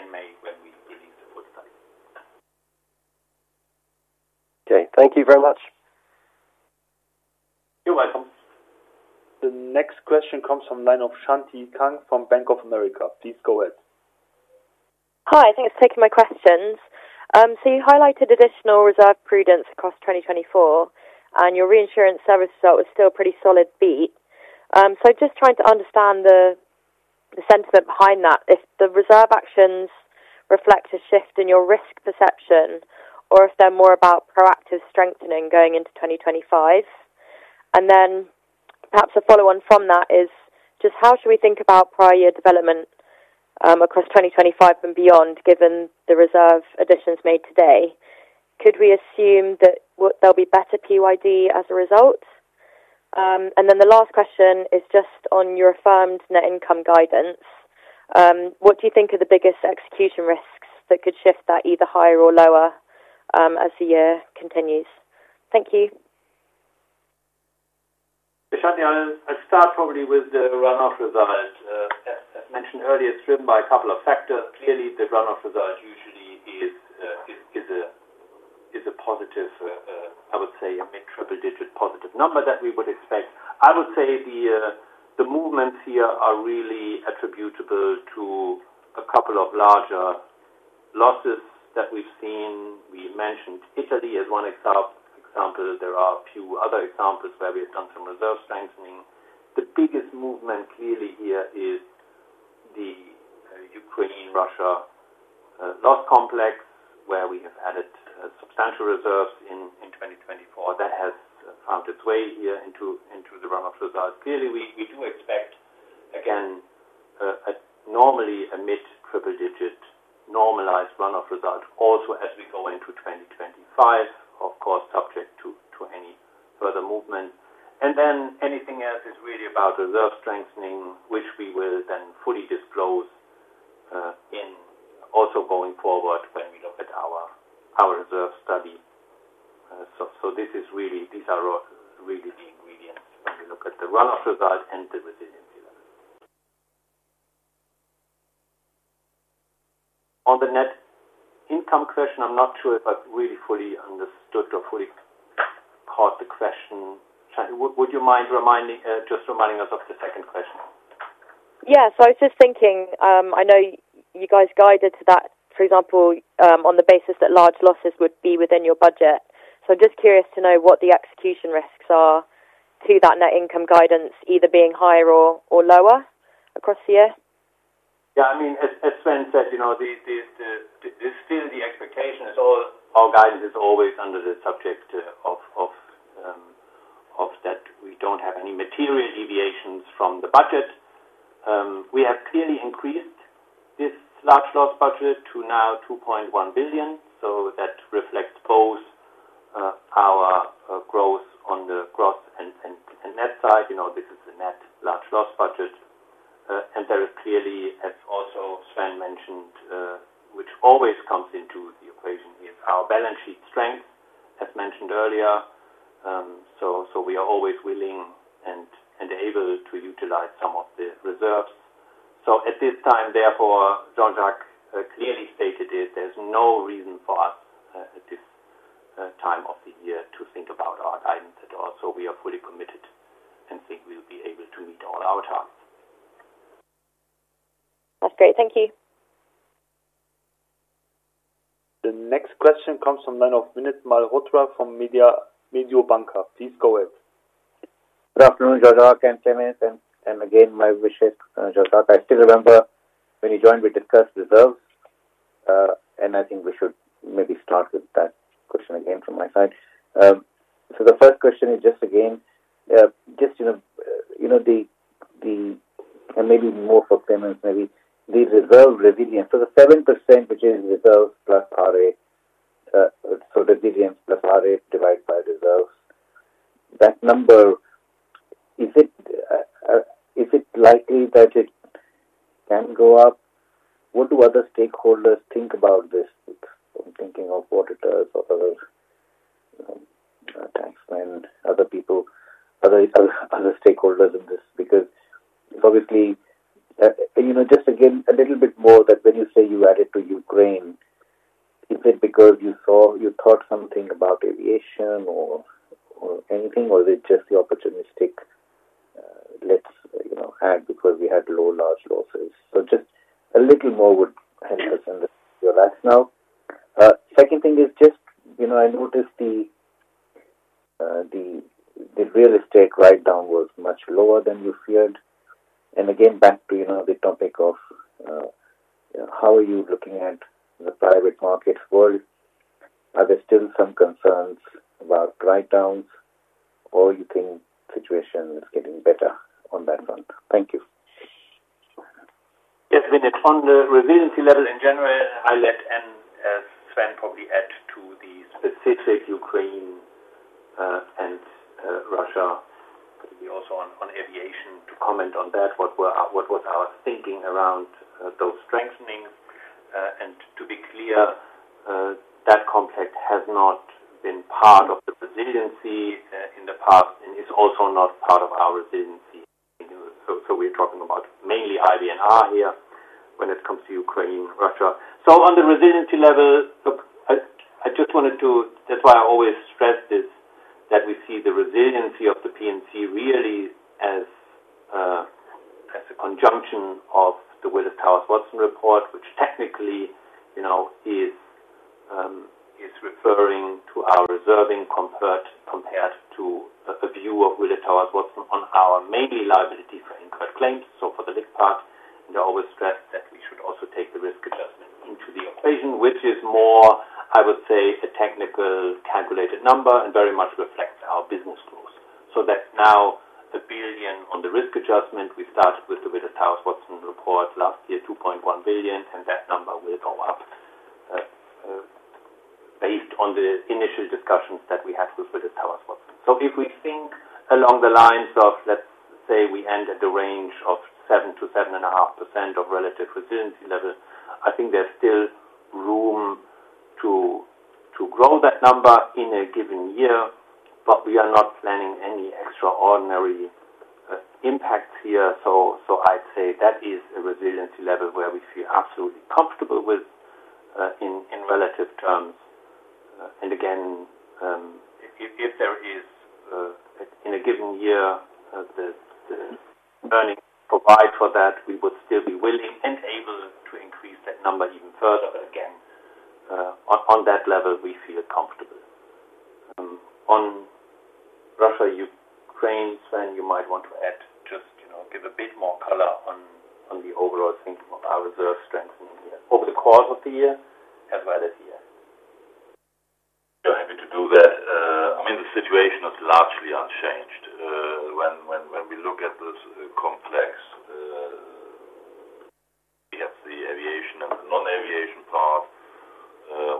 in May when we release the full study. Okay. Thank you very much. You're welcome. The next question comes from the line of Shanti Kang from Bank of America. Please go ahead. Hi. Thanks for taking my questions. You highlighted additional reserve prudence across 2024, and your reinsurance service result was still a pretty solid beat. I'm just trying to understand the sentiment behind that, if the reserve actions reflect a shift in your risk perception or if they're more about proactive strengthening going into 2025. Then perhaps a follow-on from that is just how should we think about prior year development across 2025 and beyond, given the reserve additions made today? Could we assume that there'll be better PYD as a result? The last question is just on your affirmed net income guidance. What do you think are the biggest execution risks that could shift that either higher or lower as the year continues? Thank you. Shanti, I'll start probably with the runoff result. As mentioned earlier, it's driven by a couple of factors. Clearly, the runoff result usually is a positive, I would say, a mid-triple-digit positive number that we would expect. I would say the movements here are really attributable to a couple of larger losses that we've seen. We mentioned Italy as one example. There are a few other examples where we have done some reserve strengthening. The biggest movement clearly here is the Ukraine-Russia loss complex, where we have added substantial reserves in 2024. That has found its way here into the runoff result. Clearly, we do expect, again, normally a mid-triple-digit normalized runoff result also as we go into 2025, of course, subject to any further movement. Anything else is really about reserve strengthening, which we will then fully disclose in also going forward when we look at our reserve study. These are really the ingredients when we look at the runoff result and the resiliency level. On the net income question, I'm not sure if I've really fully understood or fully caught the question. Would you mind just reminding us of the second question? Yeah. I was just thinking. I know you guys guided to that, for example, on the basis that large losses would be within your budget. I'm just curious to know what the execution risks are to that net income guidance, either being higher or lower across the year. Yeah. I mean, as Sven said, still the expectation is all our guidance is always under the subject of that we don't have any material deviations from the budget. We have clearly increased this large loss budget to now 2.1 billion. That reflects both our growth on the gross and net side. This is a net large loss budget. There is clearly, as also Sven mentioned, which always comes into the equation, our balance sheet strength, as mentioned earlier. We are always willing and able to utilize some of the reserves. At this time, therefore, Jean-Jacques clearly stated it. There's no reason for us at this time of the year to think about our guidance at all. We are fully committed and think we'll be able to meet all our targets. That's great. Thank you. The next question comes from the line of Vinit Malhotra from Mediobanca. Please go ahead. Good afternoon, Jean-Jacques and Clemens. Again, my wishes, Jean-Jacques. I still remember when you joined, we discussed reserves. I think we should maybe start with that question again from my side. The first question is just again, just the, and maybe more for Clemens, maybe the reserve resiliency. The 7%, which is reserves plus RA, so resiliency plus RA divided by reserves, that number, is it likely that it can go up? What do other stakeholders think about this? I'm thinking of auditors or other taxmen, other people, other stakeholders in this. Because it's obviously just again, a little bit more that when you say you added to Ukraine, is it because you thought something about aviation or anything, or is it just the opportunistic, "Let's add because we had low large losses"? Just a little more would help us understand your rationale. Second thing is just I noticed the real estate write-down was much lower than you feared. Again, back to the topic of how are you looking at the private market world? Are there still some concerns about write-downs, or do you think the situation is getting better on that front? Thank you. Yes, Vinit, on the resiliency level in general, I'll let Sven probably add to the specific Ukraine and Russia, particularly also on aviation, to comment on that, what was our thinking around those strengthenings. To be clear, that complex has not been part of the resiliency in the past and is also not part of our resiliency. We are talking about mainly IBNR here when it comes to Ukraine-Russia. On the resiliency level, I just wanted to—that is why I always stress this—that we see the resiliency of the P&C really as a conjunction of the Willis Towers Watson report, which technically is referring to our reserving compared to a view of Willis Towers Watson on our mainly liability for incurred claims, so for the LIC part. I always stress that we should also take the risk adjustment into the equation, which is more, I would say, a technical calculated number and very much reflects our business growth. That is now a billion on the risk adjustment. We started with the Willis Towers Watson report last year, 2.1 billion, and that number will go up based on the initial discussions that we had with Willis Towers Watson. If we think along the lines of, let's say, we end at the range of 7%-7.5% of relative resiliency level, I think there's still room to grow that number in a given year, but we are not planning any extraordinary impacts here. I'd say that is a resiliency level where we feel absolutely comfortable with in relative terms. Again, if there is, in a given year, the earnings provide for that, we would still be willing and able to increase that number even further. Again, on that level, we feel comfortable. On Russia-Ukraine, Sven, you might want to add, just give a bit more color on the overall thinking of our reserve strengthening over the course of the year as well as here. Yeah, happy to do that. I mean, the situation is largely unchanged. When we look at this complex, we have the aviation and the non-aviation part.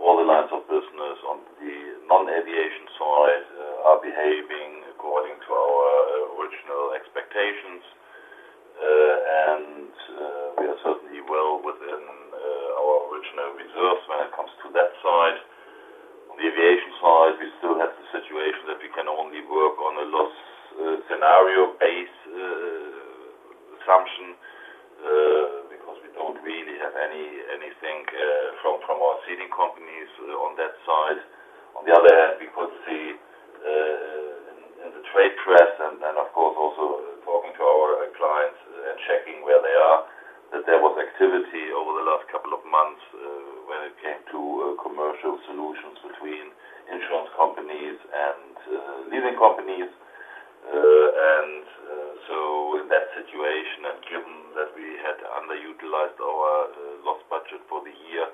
All the lines of business on the non-aviation side are behaving according to our original expectations. We are certainly well within our original reserves when it comes to that side. On the aviation side, we still have the situation that we can only work on a loss scenario-based assumption because we do not really have anything from our ceding companies on that side. On the other hand, we could see in the trade press and, of course, also talking to our clients and checking where they are, that there was activity over the last couple of months when it came to commercial solutions between insurance companies and leasing companies. In that situation, and given that we had underutilized our loss budget for the year,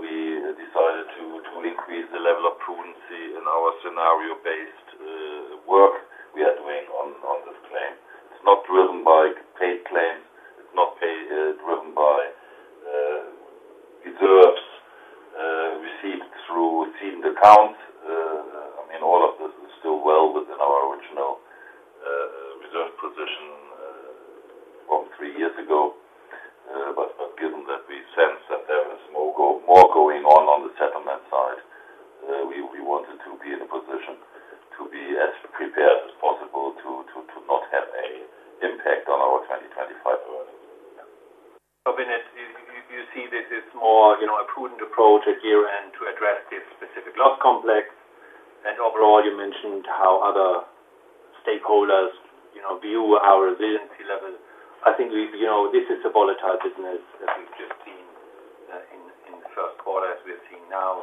we decided to increase the level of prudency in our scenario-based work we are doing on this claim. It's not driven by paid claims. It's not driven by reserves received through seeding accounts. I mean, all of this is still well within our original reserve position from three years ago. Given that we sense that there is more going on on the settlement side, we wanted to be in a position to be as prepared as possible to not have an impact on our 2025 earnings. Vinit, you see this is more a prudent approach at year-end to address this specific loss complex. Overall, you mentioned how other stakeholders view our resiliency level. I think this is a volatile business that we've just seen in the first quarter as we're seeing now.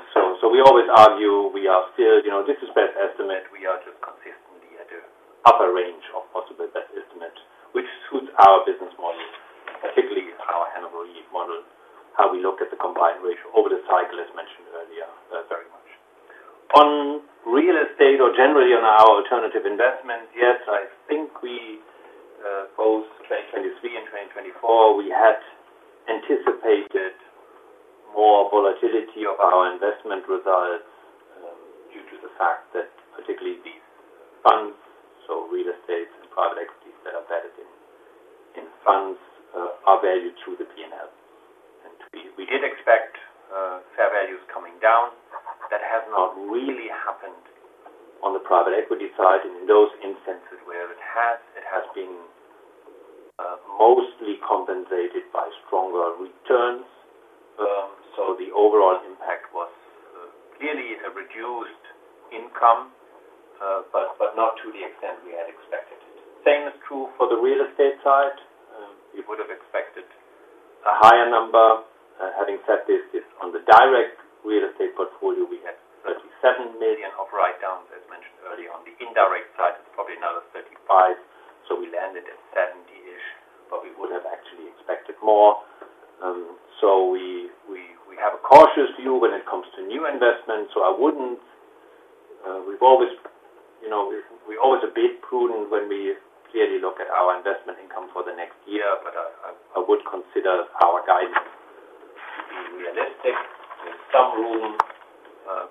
We always argue we are still—this is best estimate. We are just consistently at an upper range of possible best estimate, which suits our business model, particularly our Hannover Re model, how we look at the combined ratio over the cycle, as mentioned earlier, very much. On real estate or generally on our alternative investments, yes, I think we both 2023 and 2024, we had anticipated more volatility of our investment results due to the fact that particularly these funds, so real estate and private equities that are embedded in funds, are valued through the P&L. We did expect fair values coming down. That has not really happened on the private equity side. In those instances where it has, it has been mostly compensated by stronger returns. The overall impact was clearly a reduced income, but not to the extent we had expected. The same is true for the real estate side. We would have expected a higher number. Having said this, on the direct real estate portfolio, we had 37 million of write-downs, as mentioned earlier. On the indirect side, it is probably another 35 million. We landed at 70 million-ish, but we would have actually expected more. We have a cautious view when it comes to new investments. I would not—we have always been prudent when we clearly look at our investment income for the next year, but I would consider our guidance to be realistic. There is some room,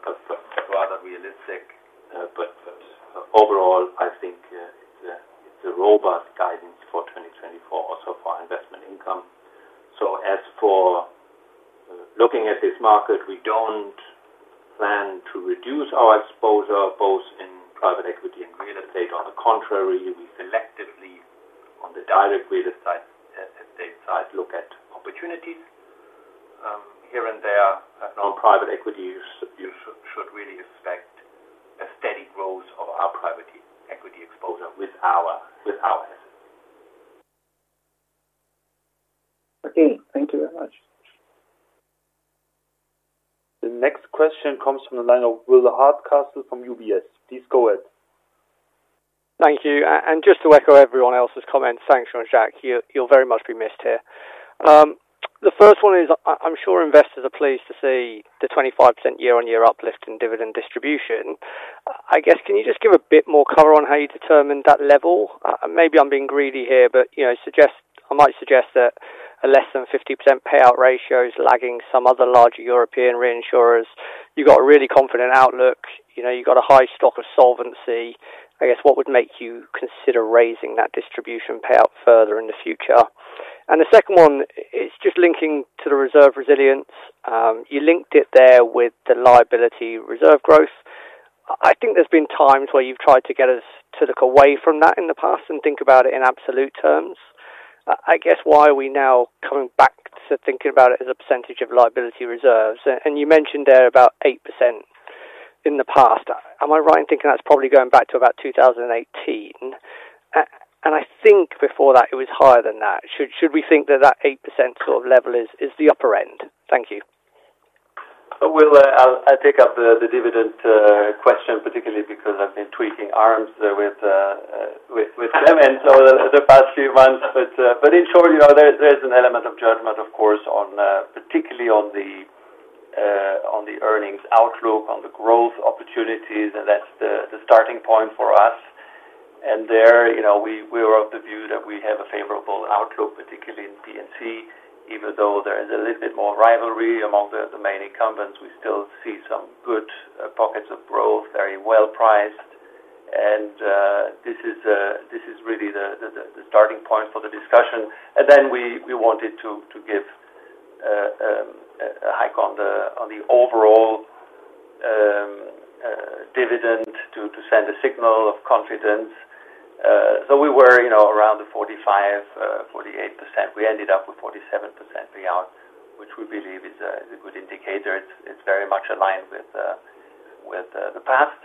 but rather realistic. Overall, I think it's a robust guidance for 2024, also for our investment income. As for looking at this market, we do not plan to reduce our exposure, both in private equity and real estate. On the contrary, we selectively, on the direct real estate side, look at opportunities here and there. On private equity, you should really expect a steady growth of our private equity exposure with our assets. Okay. Thank you very much. The next question comes from the line of Will Hardcastle from UBS. Please go ahead. Thank you. Just to echo everyone else's comments, thanks, Jean-Jacques. You will very much be missed here. The first one is, I am sure investors are pleased to see the 25% year-on-year uplift in dividend distribution. I guess, can you just give a bit more cover on how you determined that level? Maybe I'm being greedy here, but I might suggest that a less than 50% payout ratio is lagging some other larger European reinsurers. You've got a really confident outlook. You've got a high stock of solvency. I guess, what would make you consider raising that distribution payout further in the future? The second one, it's just linking to the reserve resilience. You linked it there with the liability reserve growth. I think there's been times where you've tried to get us to look away from that in the past and think about it in absolute terms. I guess, why are we now coming back to thinking about it as a percentage of liability reserves? You mentioned there about 8% in the past. Am I right in thinking that's probably going back to about 2018? I think before that, it was higher than that. Should we think that that 8% sort of level is the upper end? Thank you. I'll take up the dividend question, particularly because I've been tweaking arms with Clemens over the past few months. In short, there's an element of judgment, of course, particularly on the earnings outlook, on the growth opportunities. That's the starting point for us. There, we were of the view that we have a favorable outlook, particularly in P&C. Even though there is a little bit more rivalry among the main incumbents, we still see some good pockets of growth, very well priced. This is really the starting point for the discussion. We wanted to give a hike on the overall dividend to send a signal of confidence. We were around the 45%-48% range. We ended up with 47% payout, which we believe is a good indicator. It's very much aligned with the past.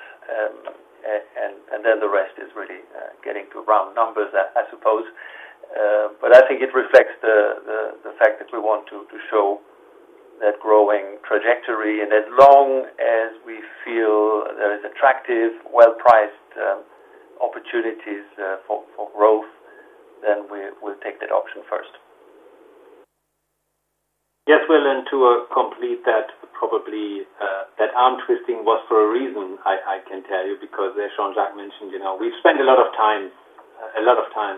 The rest is really getting to round numbers, I suppose. I think it reflects the fact that we want to show that growing trajectory. As long as we feel there are attractive, well-priced opportunities for growth, we'll take that option first. Yes, Will, to complete that, probably that arm twisting was for a reason, I can tell you, because as Jean-Jacques mentioned, we've spent a lot of time, a lot of time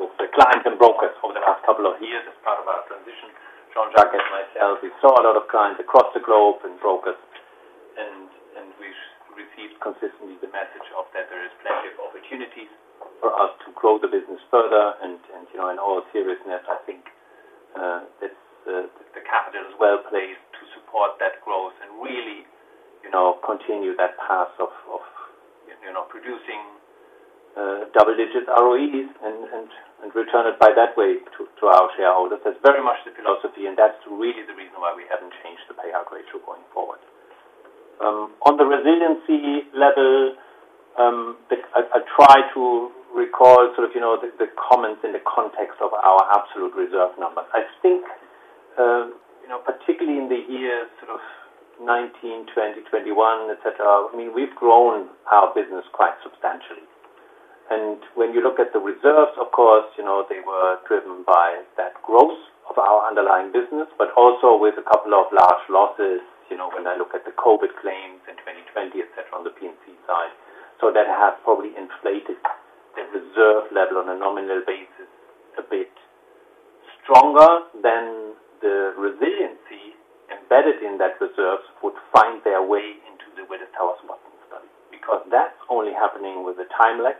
with the clients and brokers over the last couple of years as part of our transition. Jean-Jacques and myself, we saw a lot of clients across the globe and brokers. We've received consistently the message that there are plenty of opportunities for us to grow the business further. In all seriousness, I think the capital is well placed to support that growth and really continue that path of producing double-digit ROEs and return it by that way to our shareholders. That is very much the philosophy. That is really the reason why we have not changed the payout ratio going forward. On the resiliency level, I try to recall sort of the comments in the context of our absolute reserve numbers. I think, particularly in the year sort of 2019, 2020, 2021, etc., I mean, we have grown our business quite substantially. When you look at the reserves, of course, they were driven by that growth of our underlying business, but also with a couple of large losses when I look at the COVID claims in 2020, etc., on the P&C side. That has probably inflated the reserve level on a nominal basis a bit stronger than the resiliency embedded in that reserves would find their way into the Willis Towers Watson study. Because that's only happening with a time lag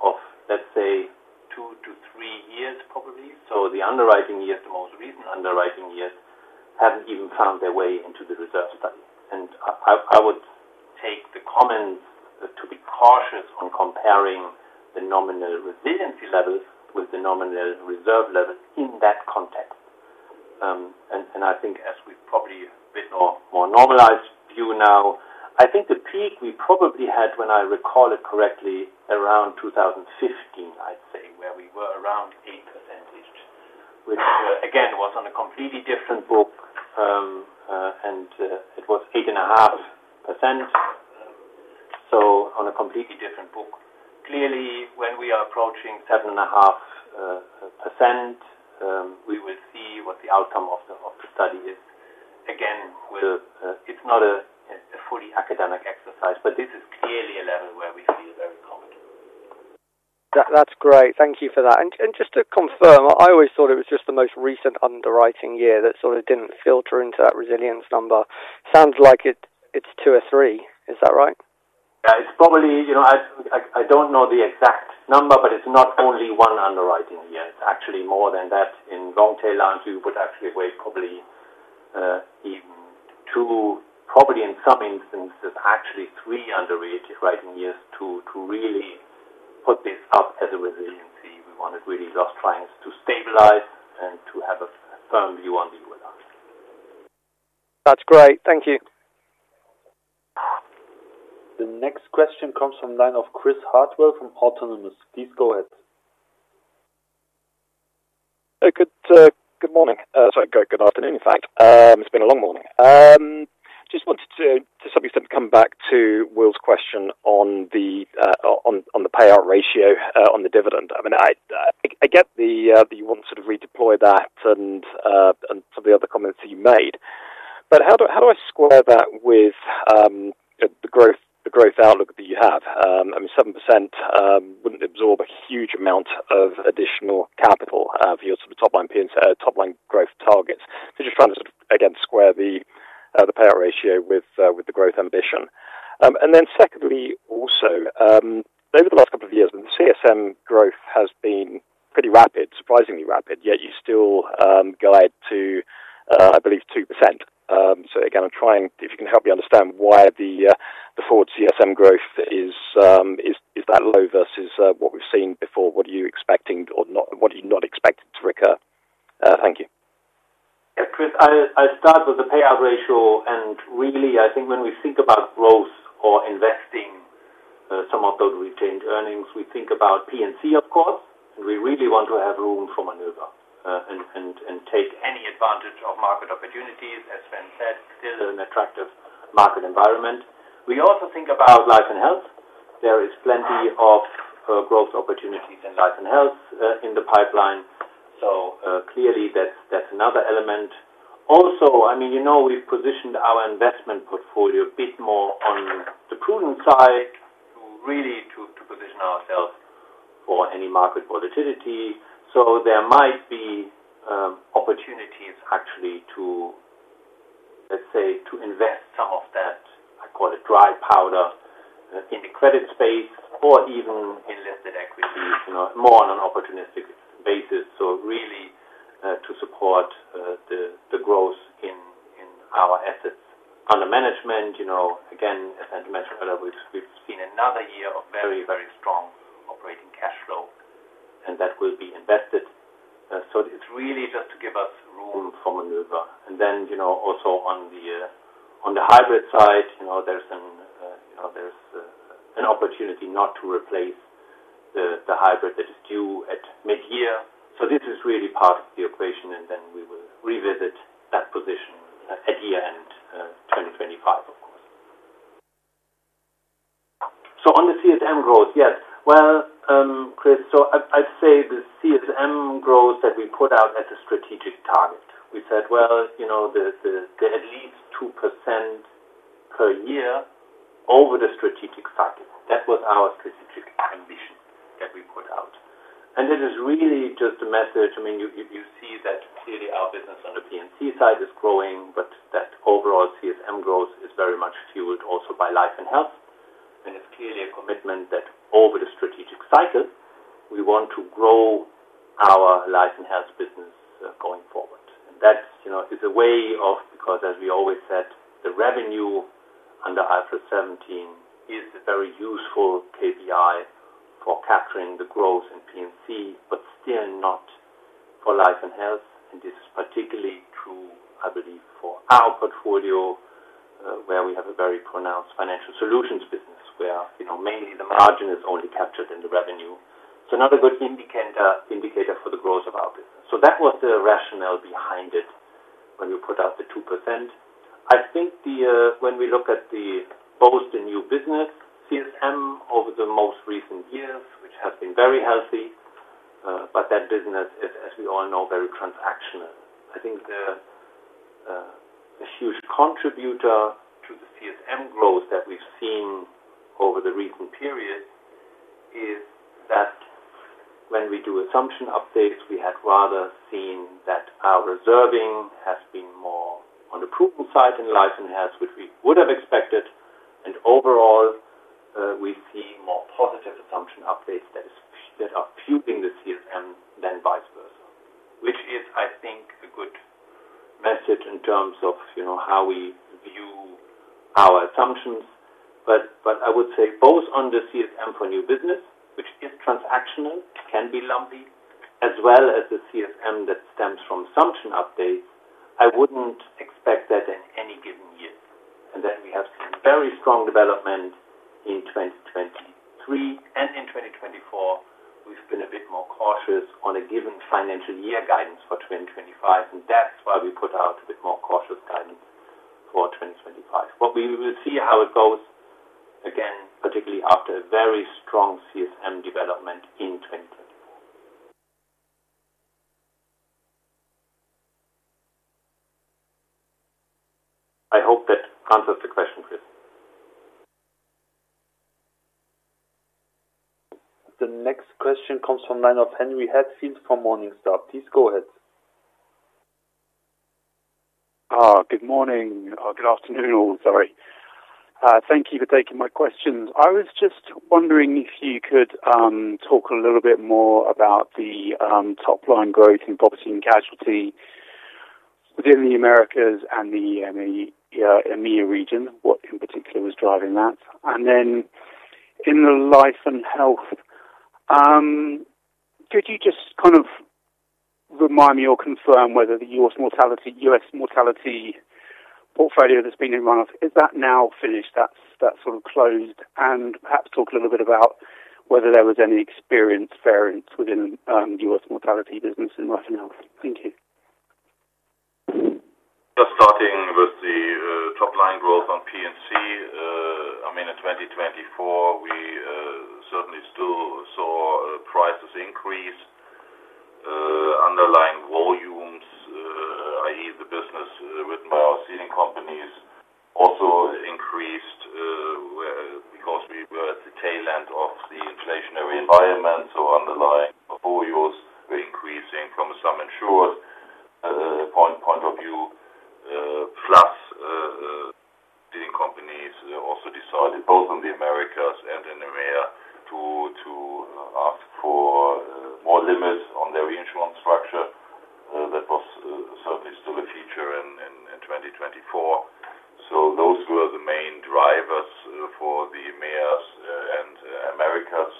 of, let's say, two to three years, probably. The underwriting years, the most recent underwriting years, haven't even found their way into the reserve study. I would take the comments to be cautious on comparing the nominal resiliency levels with the nominal reserve levels in that context. I think, as we've probably a bit more normalized view now, I think the peak we probably had, when I recall it correctly, around 2015, I'd say, where we were around 8%, which, again, was on a completely different book. It was 8.5%. So on a completely different book. Clearly, when we are approaching 7.5%, we will see what the outcome of the study is. Again, it's not a fully academic exercise, but this is clearly a level where we feel very confident. That's great. Thank you for that. Just to confirm, I always thought it was just the most recent underwriting year that sort of didn't filter into that resilience number. Sounds like it's two or three. Is that right? Yeah. It's probably—I don't know the exact number, but it's not only one underwriting year. It's actually more than that. In long-tail lines, we would actually wait probably even two, probably in some instances, actually three underwriting years to really put this up as a resiliency. We wanted really those trying to stabilize and to have a firm view on the ULR. That's great. Thank you. The next question comes from the line of Chris Hartwell from Autonomous. Please go ahead. Good morning. Sorry. Good afternoon, in fact. It's been a long morning. Just wanted to, to some extent, come back to Will's question on the payout ratio on the dividend. I mean, I get that you want to sort of redeploy that and some of the other comments that you made. How do I square that with the growth outlook that you have? I mean, 7% wouldn't absorb a huge amount of additional capital for your sort of top-line growth targets. Just trying to sort of, again, square the payout ratio with the growth ambition. Secondly, also, over the last couple of years, the CSM growth has been pretty rapid, surprisingly rapid, yet you still go ahead to, I believe, 2%. I'm trying—if you can help me understand why the forward CSM growth is that low versus what we've seen before, what are you expecting or what are you not expecting to recur? Thank you. Yeah. Chris, I'll start with the payout ratio. Really, I think when we think about growth or investing some of those retained earnings, we think about P&C, of course. We really want to have room for maneuver and take any advantage of market opportunities, as Sven said, still in an attractive market environment. We also think about life and health. There is plenty of growth opportunities in life and health in the pipeline. Clearly, that's another element. Also, I mean, we've positioned our investment portfolio a bit more on the prudent side to really position ourselves for any market volatility. There might be opportunities, actually, to, let's say, to invest some of that, I call it dry powder, in the credit space or even in listed equity, more on an opportunistic basis. Really to support the growth in our assets under management. Again, as I mentioned earlier, we've seen another year of very, very strong operating cash flow, and that will be invested. It's really just to give us room for maneuver. Also on the hybrid side, there's an opportunity not to replace the hybrid that is due at mid-year. This is really part of the equation. We will revisit that position at year-end 2025, of course. On the CSM growth, yes. Chris, I'd say the CSM growth that we put out as a strategic target. We said, well, the at least 2% per year over the strategic cycle. That was our strategic ambition that we put out. It is really just a message. I mean, you see that clearly our business on the P&C side is growing, but that overall CSM growth is very much fueled also by life and health. It is clearly a commitment that over the strategic cycle, we want to grow our life and health business going forward. That is a way of—because as we always said, the revenue under IFRS 17 is a very useful KPI for capturing the growth in P&C, but still not for life and health. This is particularly true, I believe, for our portfolio, where we have a very pronounced financial solutions business, where mainly the margin is only captured in the revenue. Another good indicator for the growth of our business. That was the rationale behind it when we put out the 2%. I think when we look at both the new business CSM over the most recent years, which has been very healthy, that business is, as we all know, very transactional. I think the huge contributor to the CSM growth that we've seen over the recent period is that when we do assumption updates, we had rather seen that our reserving has been more on the prudent side in life and health, which we would have expected. Overall, we see more positive assumption updates that are fueling the CSM than vice versa, which is, I think, a good message in terms of how we view our assumptions. I would say both on the CSM for new business, which is transactional, can be lumpy, as well as the CSM that stems from assumption updates, I wouldn't expect that in any given year. We have seen very strong development in 2023. In 2024, we've been a bit more cautious on a given financial year guidance for 2025. That is why we put out a bit more cautious guidance for 2025. We will see how it goes, again, particularly after a very strong CSM development in 2024. I hope that answers the question, Chris. The next question comes from the line of Henry Heathfield from Morningstar. Please go ahead. Good morning. Good afternoon, all. Sorry. Thank you for taking my questions. I was just wondering if you could talk a little bit more about the top-line growth in property and casualty within the Americas and the EMEA region, what in particular was driving that. In the life and health, could you just kind of remind me or confirm whether the U.S. mortality portfolio that's been in runoff, is that now finished? That's sort of closed. Perhaps talk a little bit about whether there was any experience variance within the U.S. mortality business in life and health. Thank you. Just starting with the top-line growth on P&C, I mean, in 2024, we certainly still saw prices increase, underlying volumes, i.e., the business with our ceding companies also increased because we were at the tail end of the inflationary environment. Underlying portfolios were increasing from some insurers' point of view. Plus, ceding companies also decided, both in the Americas and in EMEA, to ask for more limits on their reinsurance structure. That was certainly still a feature in 2024. Those were the main drivers for the EMEA and Americas.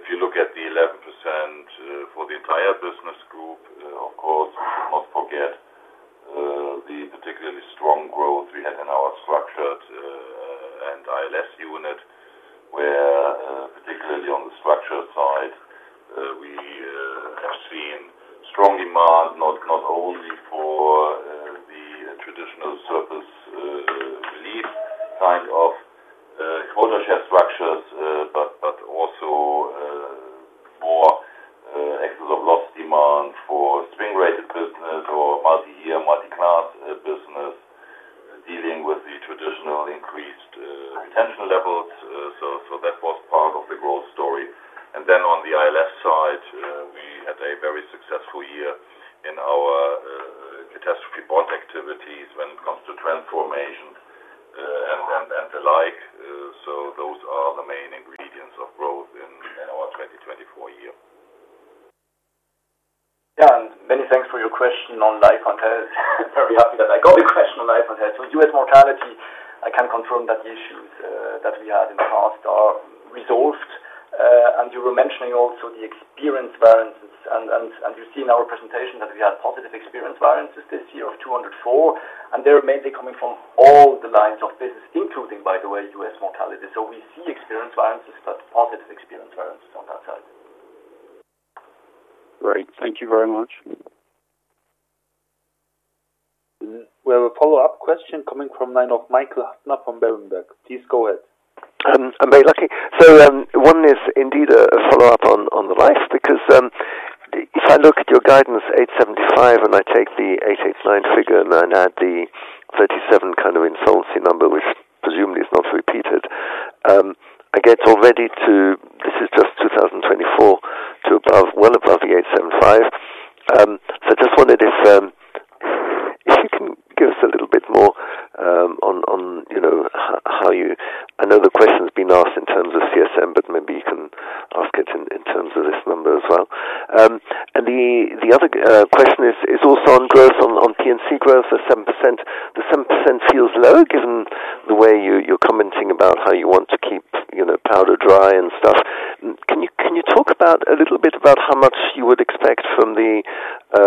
If you look at the 11% for the entire business group, of course, we should not forget the particularly strong growth we had in our structured and ILS unit, where particularly on the structured side, we have seen strong demand, not only We have a follow-up question coming from the line of Michael Huttner from Berenberg. Please go ahead. I'm very lucky. One is indeed a follow-up on the life. If I look at your guidance 875 and I take the 889 figure and I add the 37 kind of insolvency number, which presumably is not repeated, I get already to—this is just 2024—to well above the 875. I just wondered if you can give us a little bit more on how you—I know the question's been asked in terms of CSM, but maybe you can ask it in terms of this number as well. The other question is also on growth, on P&C growth of 7%. The 7% feels low given the way you're commenting about how you want to keep powder dry and stuff. Can you talk a little bit about how much you would expect from the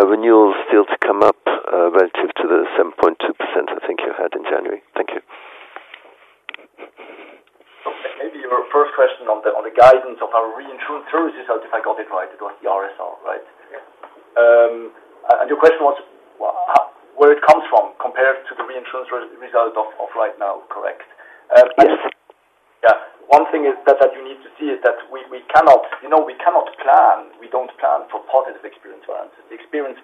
renewals still to come up relative to the 7.2% I think you had in January? Thank you. Okay. Maybe your first question on the guidance of our reinsurance services, if I got it right, it was the RSR, right? Your question was where it comes from compared to the reinsurance result of right now, correct? Yes. Yeah. One thing that you need to see is that we cannot—we cannot plan. We don't plan for positive experience variances. The experience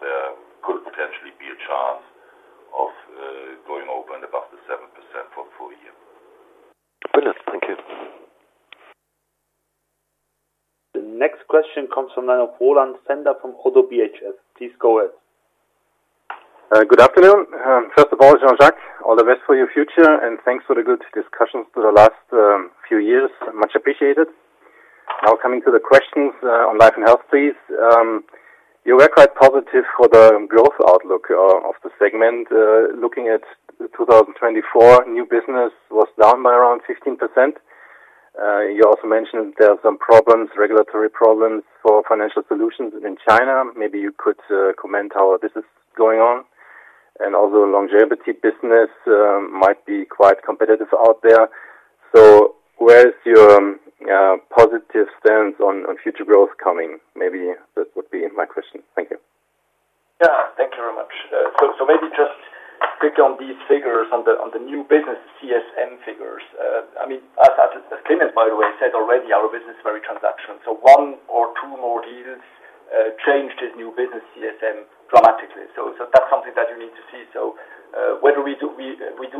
There could potentially be a chance of going over and above the 7% for a year. Brilliant. Thank you. The next question comes from the line of Roland Pfänder from Oddo BHF. Please go ahead. Good afternoon. First of all, Jean-Jacques, all the best for your future, and thanks for the good discussions through the last few years. Much appreciated. Now coming to the questions on life and health, please. You were quite positive for the growth outlook of the segment. Looking at 2024, new business was down by around 15%. You also mentioned there are some problems, regulatory problems for financial solutions in China. Maybe you could comment how this is going on. Also, longevity business might be quite competitive out there. So where is your positive stance on future growth coming? Maybe that would be my question. Thank you. Yeah. Thank you very much. Maybe just pick on these figures on the new business CSM figures. I mean, as Clemens, by the way, said already, our business is very transactional. One or two more deals change this new business CSM dramatically. That is something that you need to see. Whether we do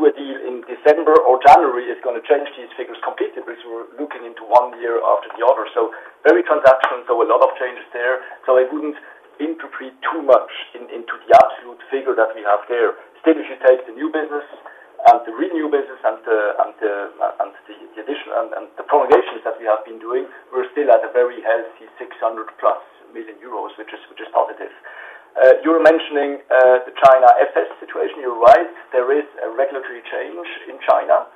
a deal in December or January is going to change these figures completely because we're looking into one year after the other. Very transactional, a lot of changes there. I would not intricately too much into the absolute figure that we have there. Still, if you take the new business and the renew business and the additional and the prolongations that we have been doing, we're still at a very healthy 600+ million euros, which is positive. You were mentioning the China FS situation. You're right. There is a regulatory change in China,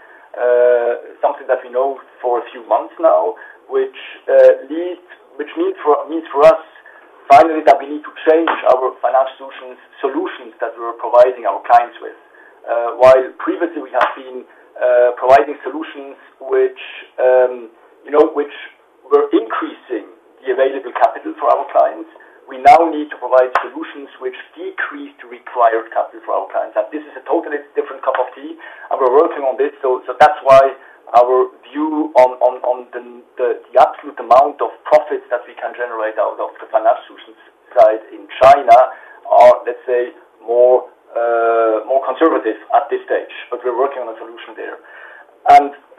something that we know for a few months now, which means for us finally that we need to change our financial solutions that we're providing our clients with. While previously we have been providing solutions which were increasing the available capital for our clients, we now need to provide solutions which decrease the required capital for our clients. This is a totally different cup of tea. We're working on this. That is why our view on the absolute amount of profits that we can generate out of the financial solutions side in China are, let's say, more conservative at this stage. We are working on a solution there.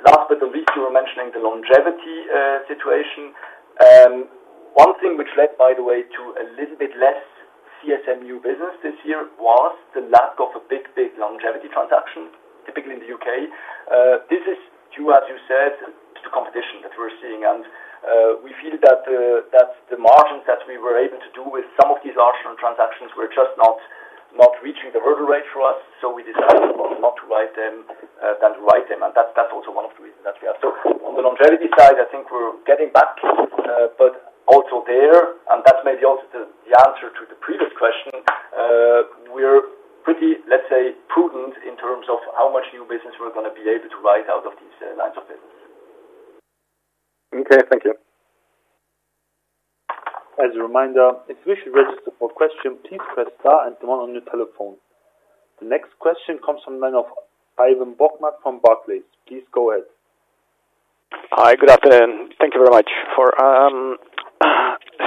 Last but not least, you were mentioning the longevity situation. One thing which led, by the way, to a little bit less CSM new business this year was the lack of a big, big longevity transaction, typically in the U.K. This is due, as you said, to the competition that we are seeing. We feel that the margins that we were able to do with some of these large transactions were just not reaching the hurdle rate for us. We decided not to write them rather than to write them. That is also one of the reasons that we have. On the longevity side, I think we are getting back. But also there, and that's maybe also the answer to the previous question, we're pretty, let's say, prudent in terms of how much new business we're going to be able to write out of these lines of business. Okay. Thank you. As a reminder, if you wish to register for a question, please press star and the one on your telephone. The next question comes from the line of Ivan Bokhmat from Barclays. Please go ahead. Hi. Good afternoon. Thank you very much for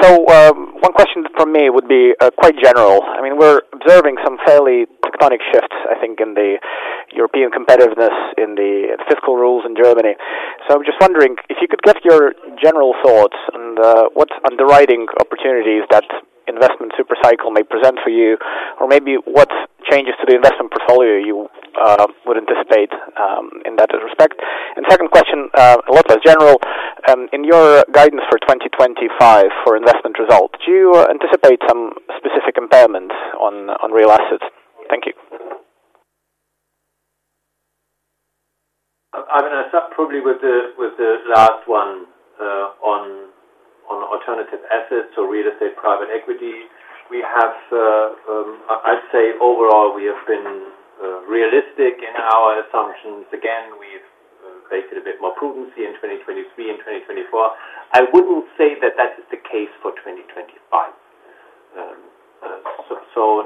so one question from me would be quite general. I mean, we're observing some fairly tectonic shifts, I think, in the European competitiveness, in the fiscal rules in Germany. So I'm just wondering if you could get your general thoughts and what underwriting opportunities that investment supercycle may present for you, or maybe what changes to the investment portfolio you would anticipate in that respect. Second question, a lot less general. In your guidance for 2025 for investment results, do you anticipate some specific impairments on real assets? Thank you. I mean, I start probably with the last one on alternative assets or real estate private equity. I'd say overall, we have been realistic in our assumptions. Again, we've created a bit more prudency in 2023 and 2024. I wouldn't say that that is the case for 2025.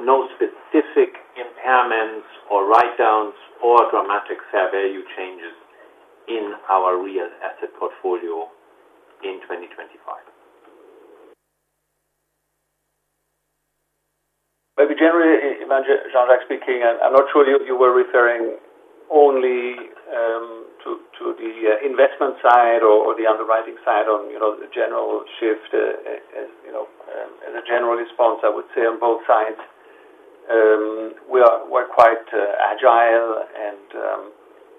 No specific impairments or write-downs or dramatic fair value changes in our real asset portfolio in 2025. Maybe generally, Jean-Jacques speaking, I'm not sure you were referring only to the investment side or the underwriting side on the general shift. As a general response, I would say on both sides, we're quite agile.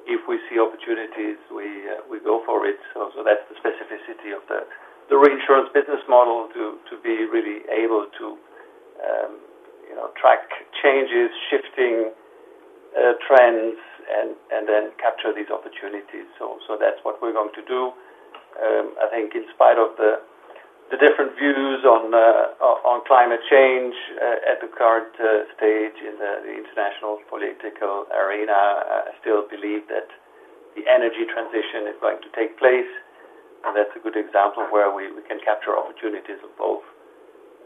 If we see opportunities, we go for it. That's the specificity of the reinsurance business model, to be really able to track changes, shifting trends, and then capture these opportunities. That's what we're going to do. I think in spite of the different views on climate change at the current stage in the international political arena, I still believe that the energy transition is going to take place. That's a good example where we can capture opportunities both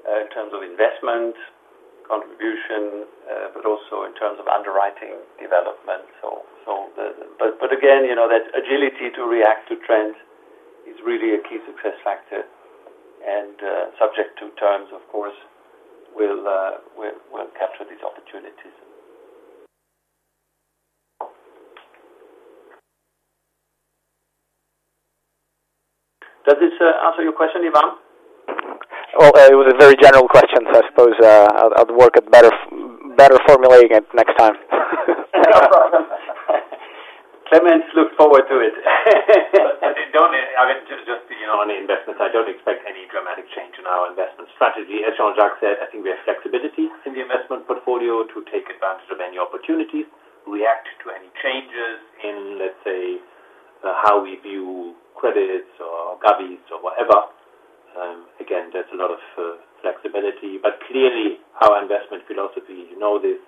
in terms of investment contribution, but also in terms of underwriting development. Again, that agility to react to trends is really a key success factor. Subject to terms, of course, we'll capture these opportunities. Does this answer your question, Ivan? It was a very general question, so I suppose I'll work at better formulating it next time. No problem. Clemens, look forward to it. I mean, just on the investments, I don't expect any dramatic change in our investment strategy. As Jean-Jacques said, I think we have flexibility in the investment portfolio to take advantage of any opportunities, react to any changes in, let's say, how we view credits or govies or whatever. Again, there's a lot of flexibility. Clearly, our investment philosophy, you know this,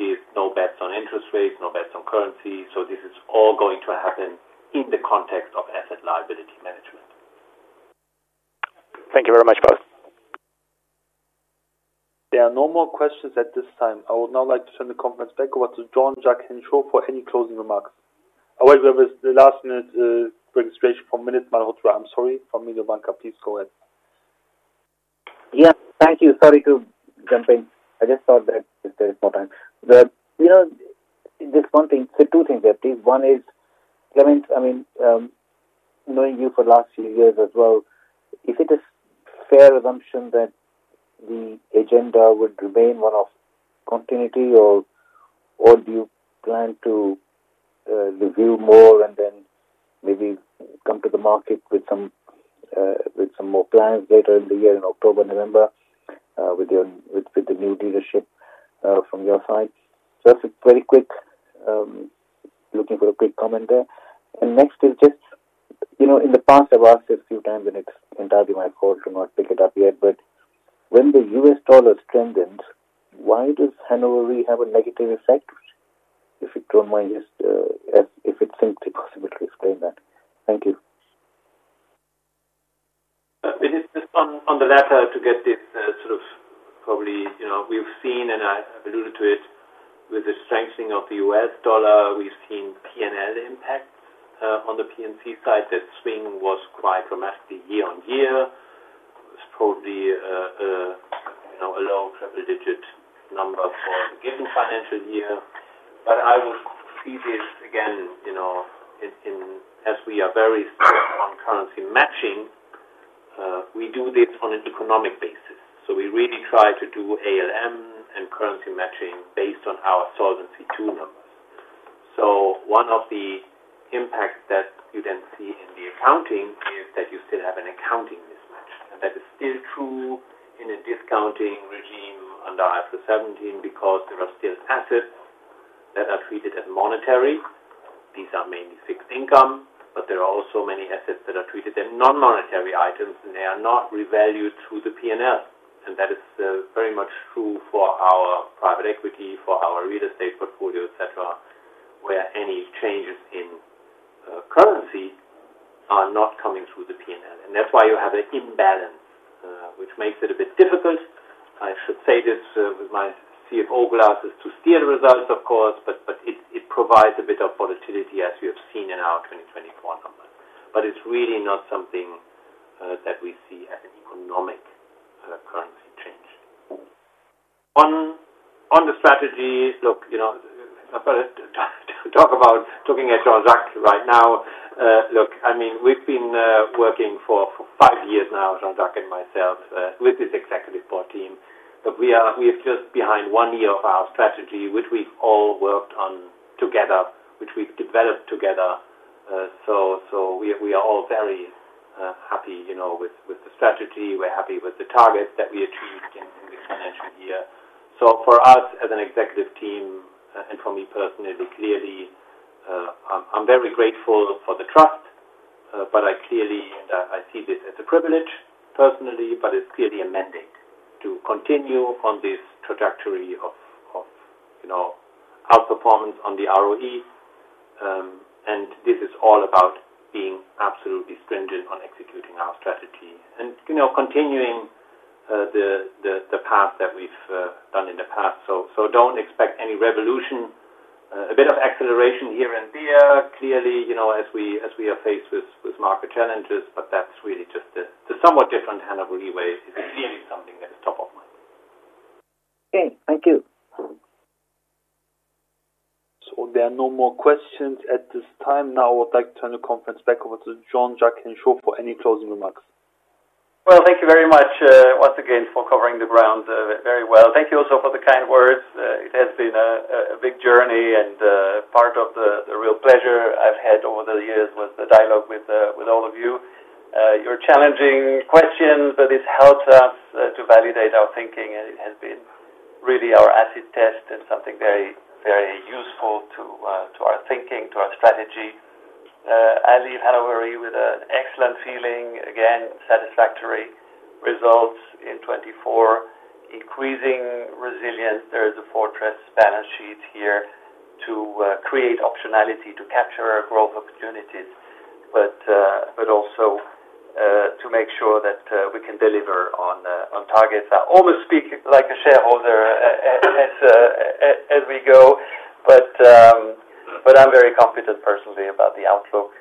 is no bets on interest rates, no bets on currency. This is all going to happen in the context of asset liability management. Thank you very much both. There are no more questions at this time. I would now like to turn the conference back over to Jean-Jacques Henchoz for any closing remarks. Oh, wait. The last minute registration for Vinit Malhotra. I'm sorry. For Vinit Malhotra, please go ahead. Yeah. Thank you. Sorry to jump in. I just thought that there's more time. Just one thing. Two things there, please. One is, Clemens, I mean, knowing you for the last few years as well, is it a fair assumption that the agenda would remain one of continuity, or do you plan to review more and then maybe come to the market with some more plans later in the year in October, November with the new leadership from your side? That is a very quick looking for a quick comment there. Next is just in the past, I have asked this a few times, and it is entirely my fault to not pick it up yet. When the US dollar strengthens, why does Hannover Re have a negative effect? If you do not mind, just if it seems possible to explain that. Thank you. Just on the latter to get this sort of probably we've seen, and I've alluded to it, with the strengthening of the U.S. dollar, we've seen P&L impacts on the P&C side. That swing was quite dramatic year-on-year. It was probably a low triple-digit number for a given financial year. I would see this again as we are very strong on currency matching. We do this on an economic basis. We really try to do ALM and currency matching based on our Solvency II numbers. One of the impacts that you then see in the accounting is that you still have an accounting mismatch. That is still true in a discounting regime under IFRS 17 because there are still assets that are treated as monetary. These are mainly fixed income, but there are also many assets that are treated as non-monetary items, and they are not revalued through the P&L. That is very much true for our private equity, for our real estate portfolio, etc., where any changes in currency are not coming through the P&L. That is why you have an imbalance, which makes it a bit difficult. I should say this with my CFO glasses to steer the results, of course, but it provides a bit of volatility as you have seen in our 2024 numbers. It is really not something that we see as an economic currency change. On the strategy, look, I have got to talk about looking at Jean-Jacques right now. I mean, we have been working for five years now, Jean-Jacques and myself, with this executive board team. We are just behind one year of our strategy, which we've all worked on together, which we've developed together. We are all very happy with the strategy. We're happy with the targets that we achieved in this financial year. For us as an executive team and for me personally, clearly, I'm very grateful for the trust, but I clearly see this as a privilege personally, but it's clearly a mandate to continue on this trajectory of our performance on the ROE. This is all about being absolutely stringent on executing our strategy and continuing the path that we've done in the past. Do not expect any revolution. A bit of acceleration here and there, clearly, as we are faced with market challenges, but that's really just the somewhat different Hannover Re way. It's clearly something that is top of mind. Okay. Thank you. There are no more questions at this time. Now I would like to turn the conference back over to Jean-Jacques Henchoz for any closing remarks. Thank you very much once again for covering the ground very well. Thank you also for the kind words. It has been a big journey and part of the real pleasure I have had over the years with the dialogue with all of you. Your challenging questions, but it has helped us to validate our thinking, and it has been really our acid test and something very, very useful to our thinking, to our strategy. I leave Hannover Re with an excellent feeling. Again, satisfactory results in 2024, increasing resilience. There is a fortress balance sheet here to create optionality to capture growth opportunities, but also to make sure that we can deliver on targets. I almost speak like a shareholder as we go, but I'm very confident personally about the outlook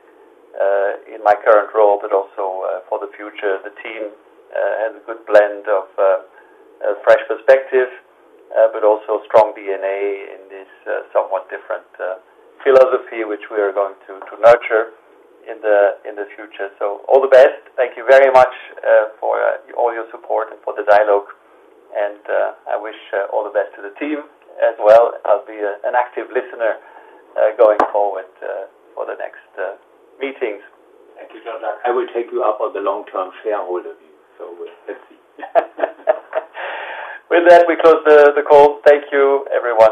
in my current role, but also for the future. The team has a good blend of fresh perspective, but also strong DNA in this somewhat different philosophy, which we are going to nurture in the future. All the best. Thank you very much for all your support and for the dialogue. I wish all the best to the team as well. I'll be an active listener going forward for the next meetings. Thank you, Jean-Jacques. I will take you up on the long-term shareholder view. Let's see. With that, we close the call. Thank you, everyone.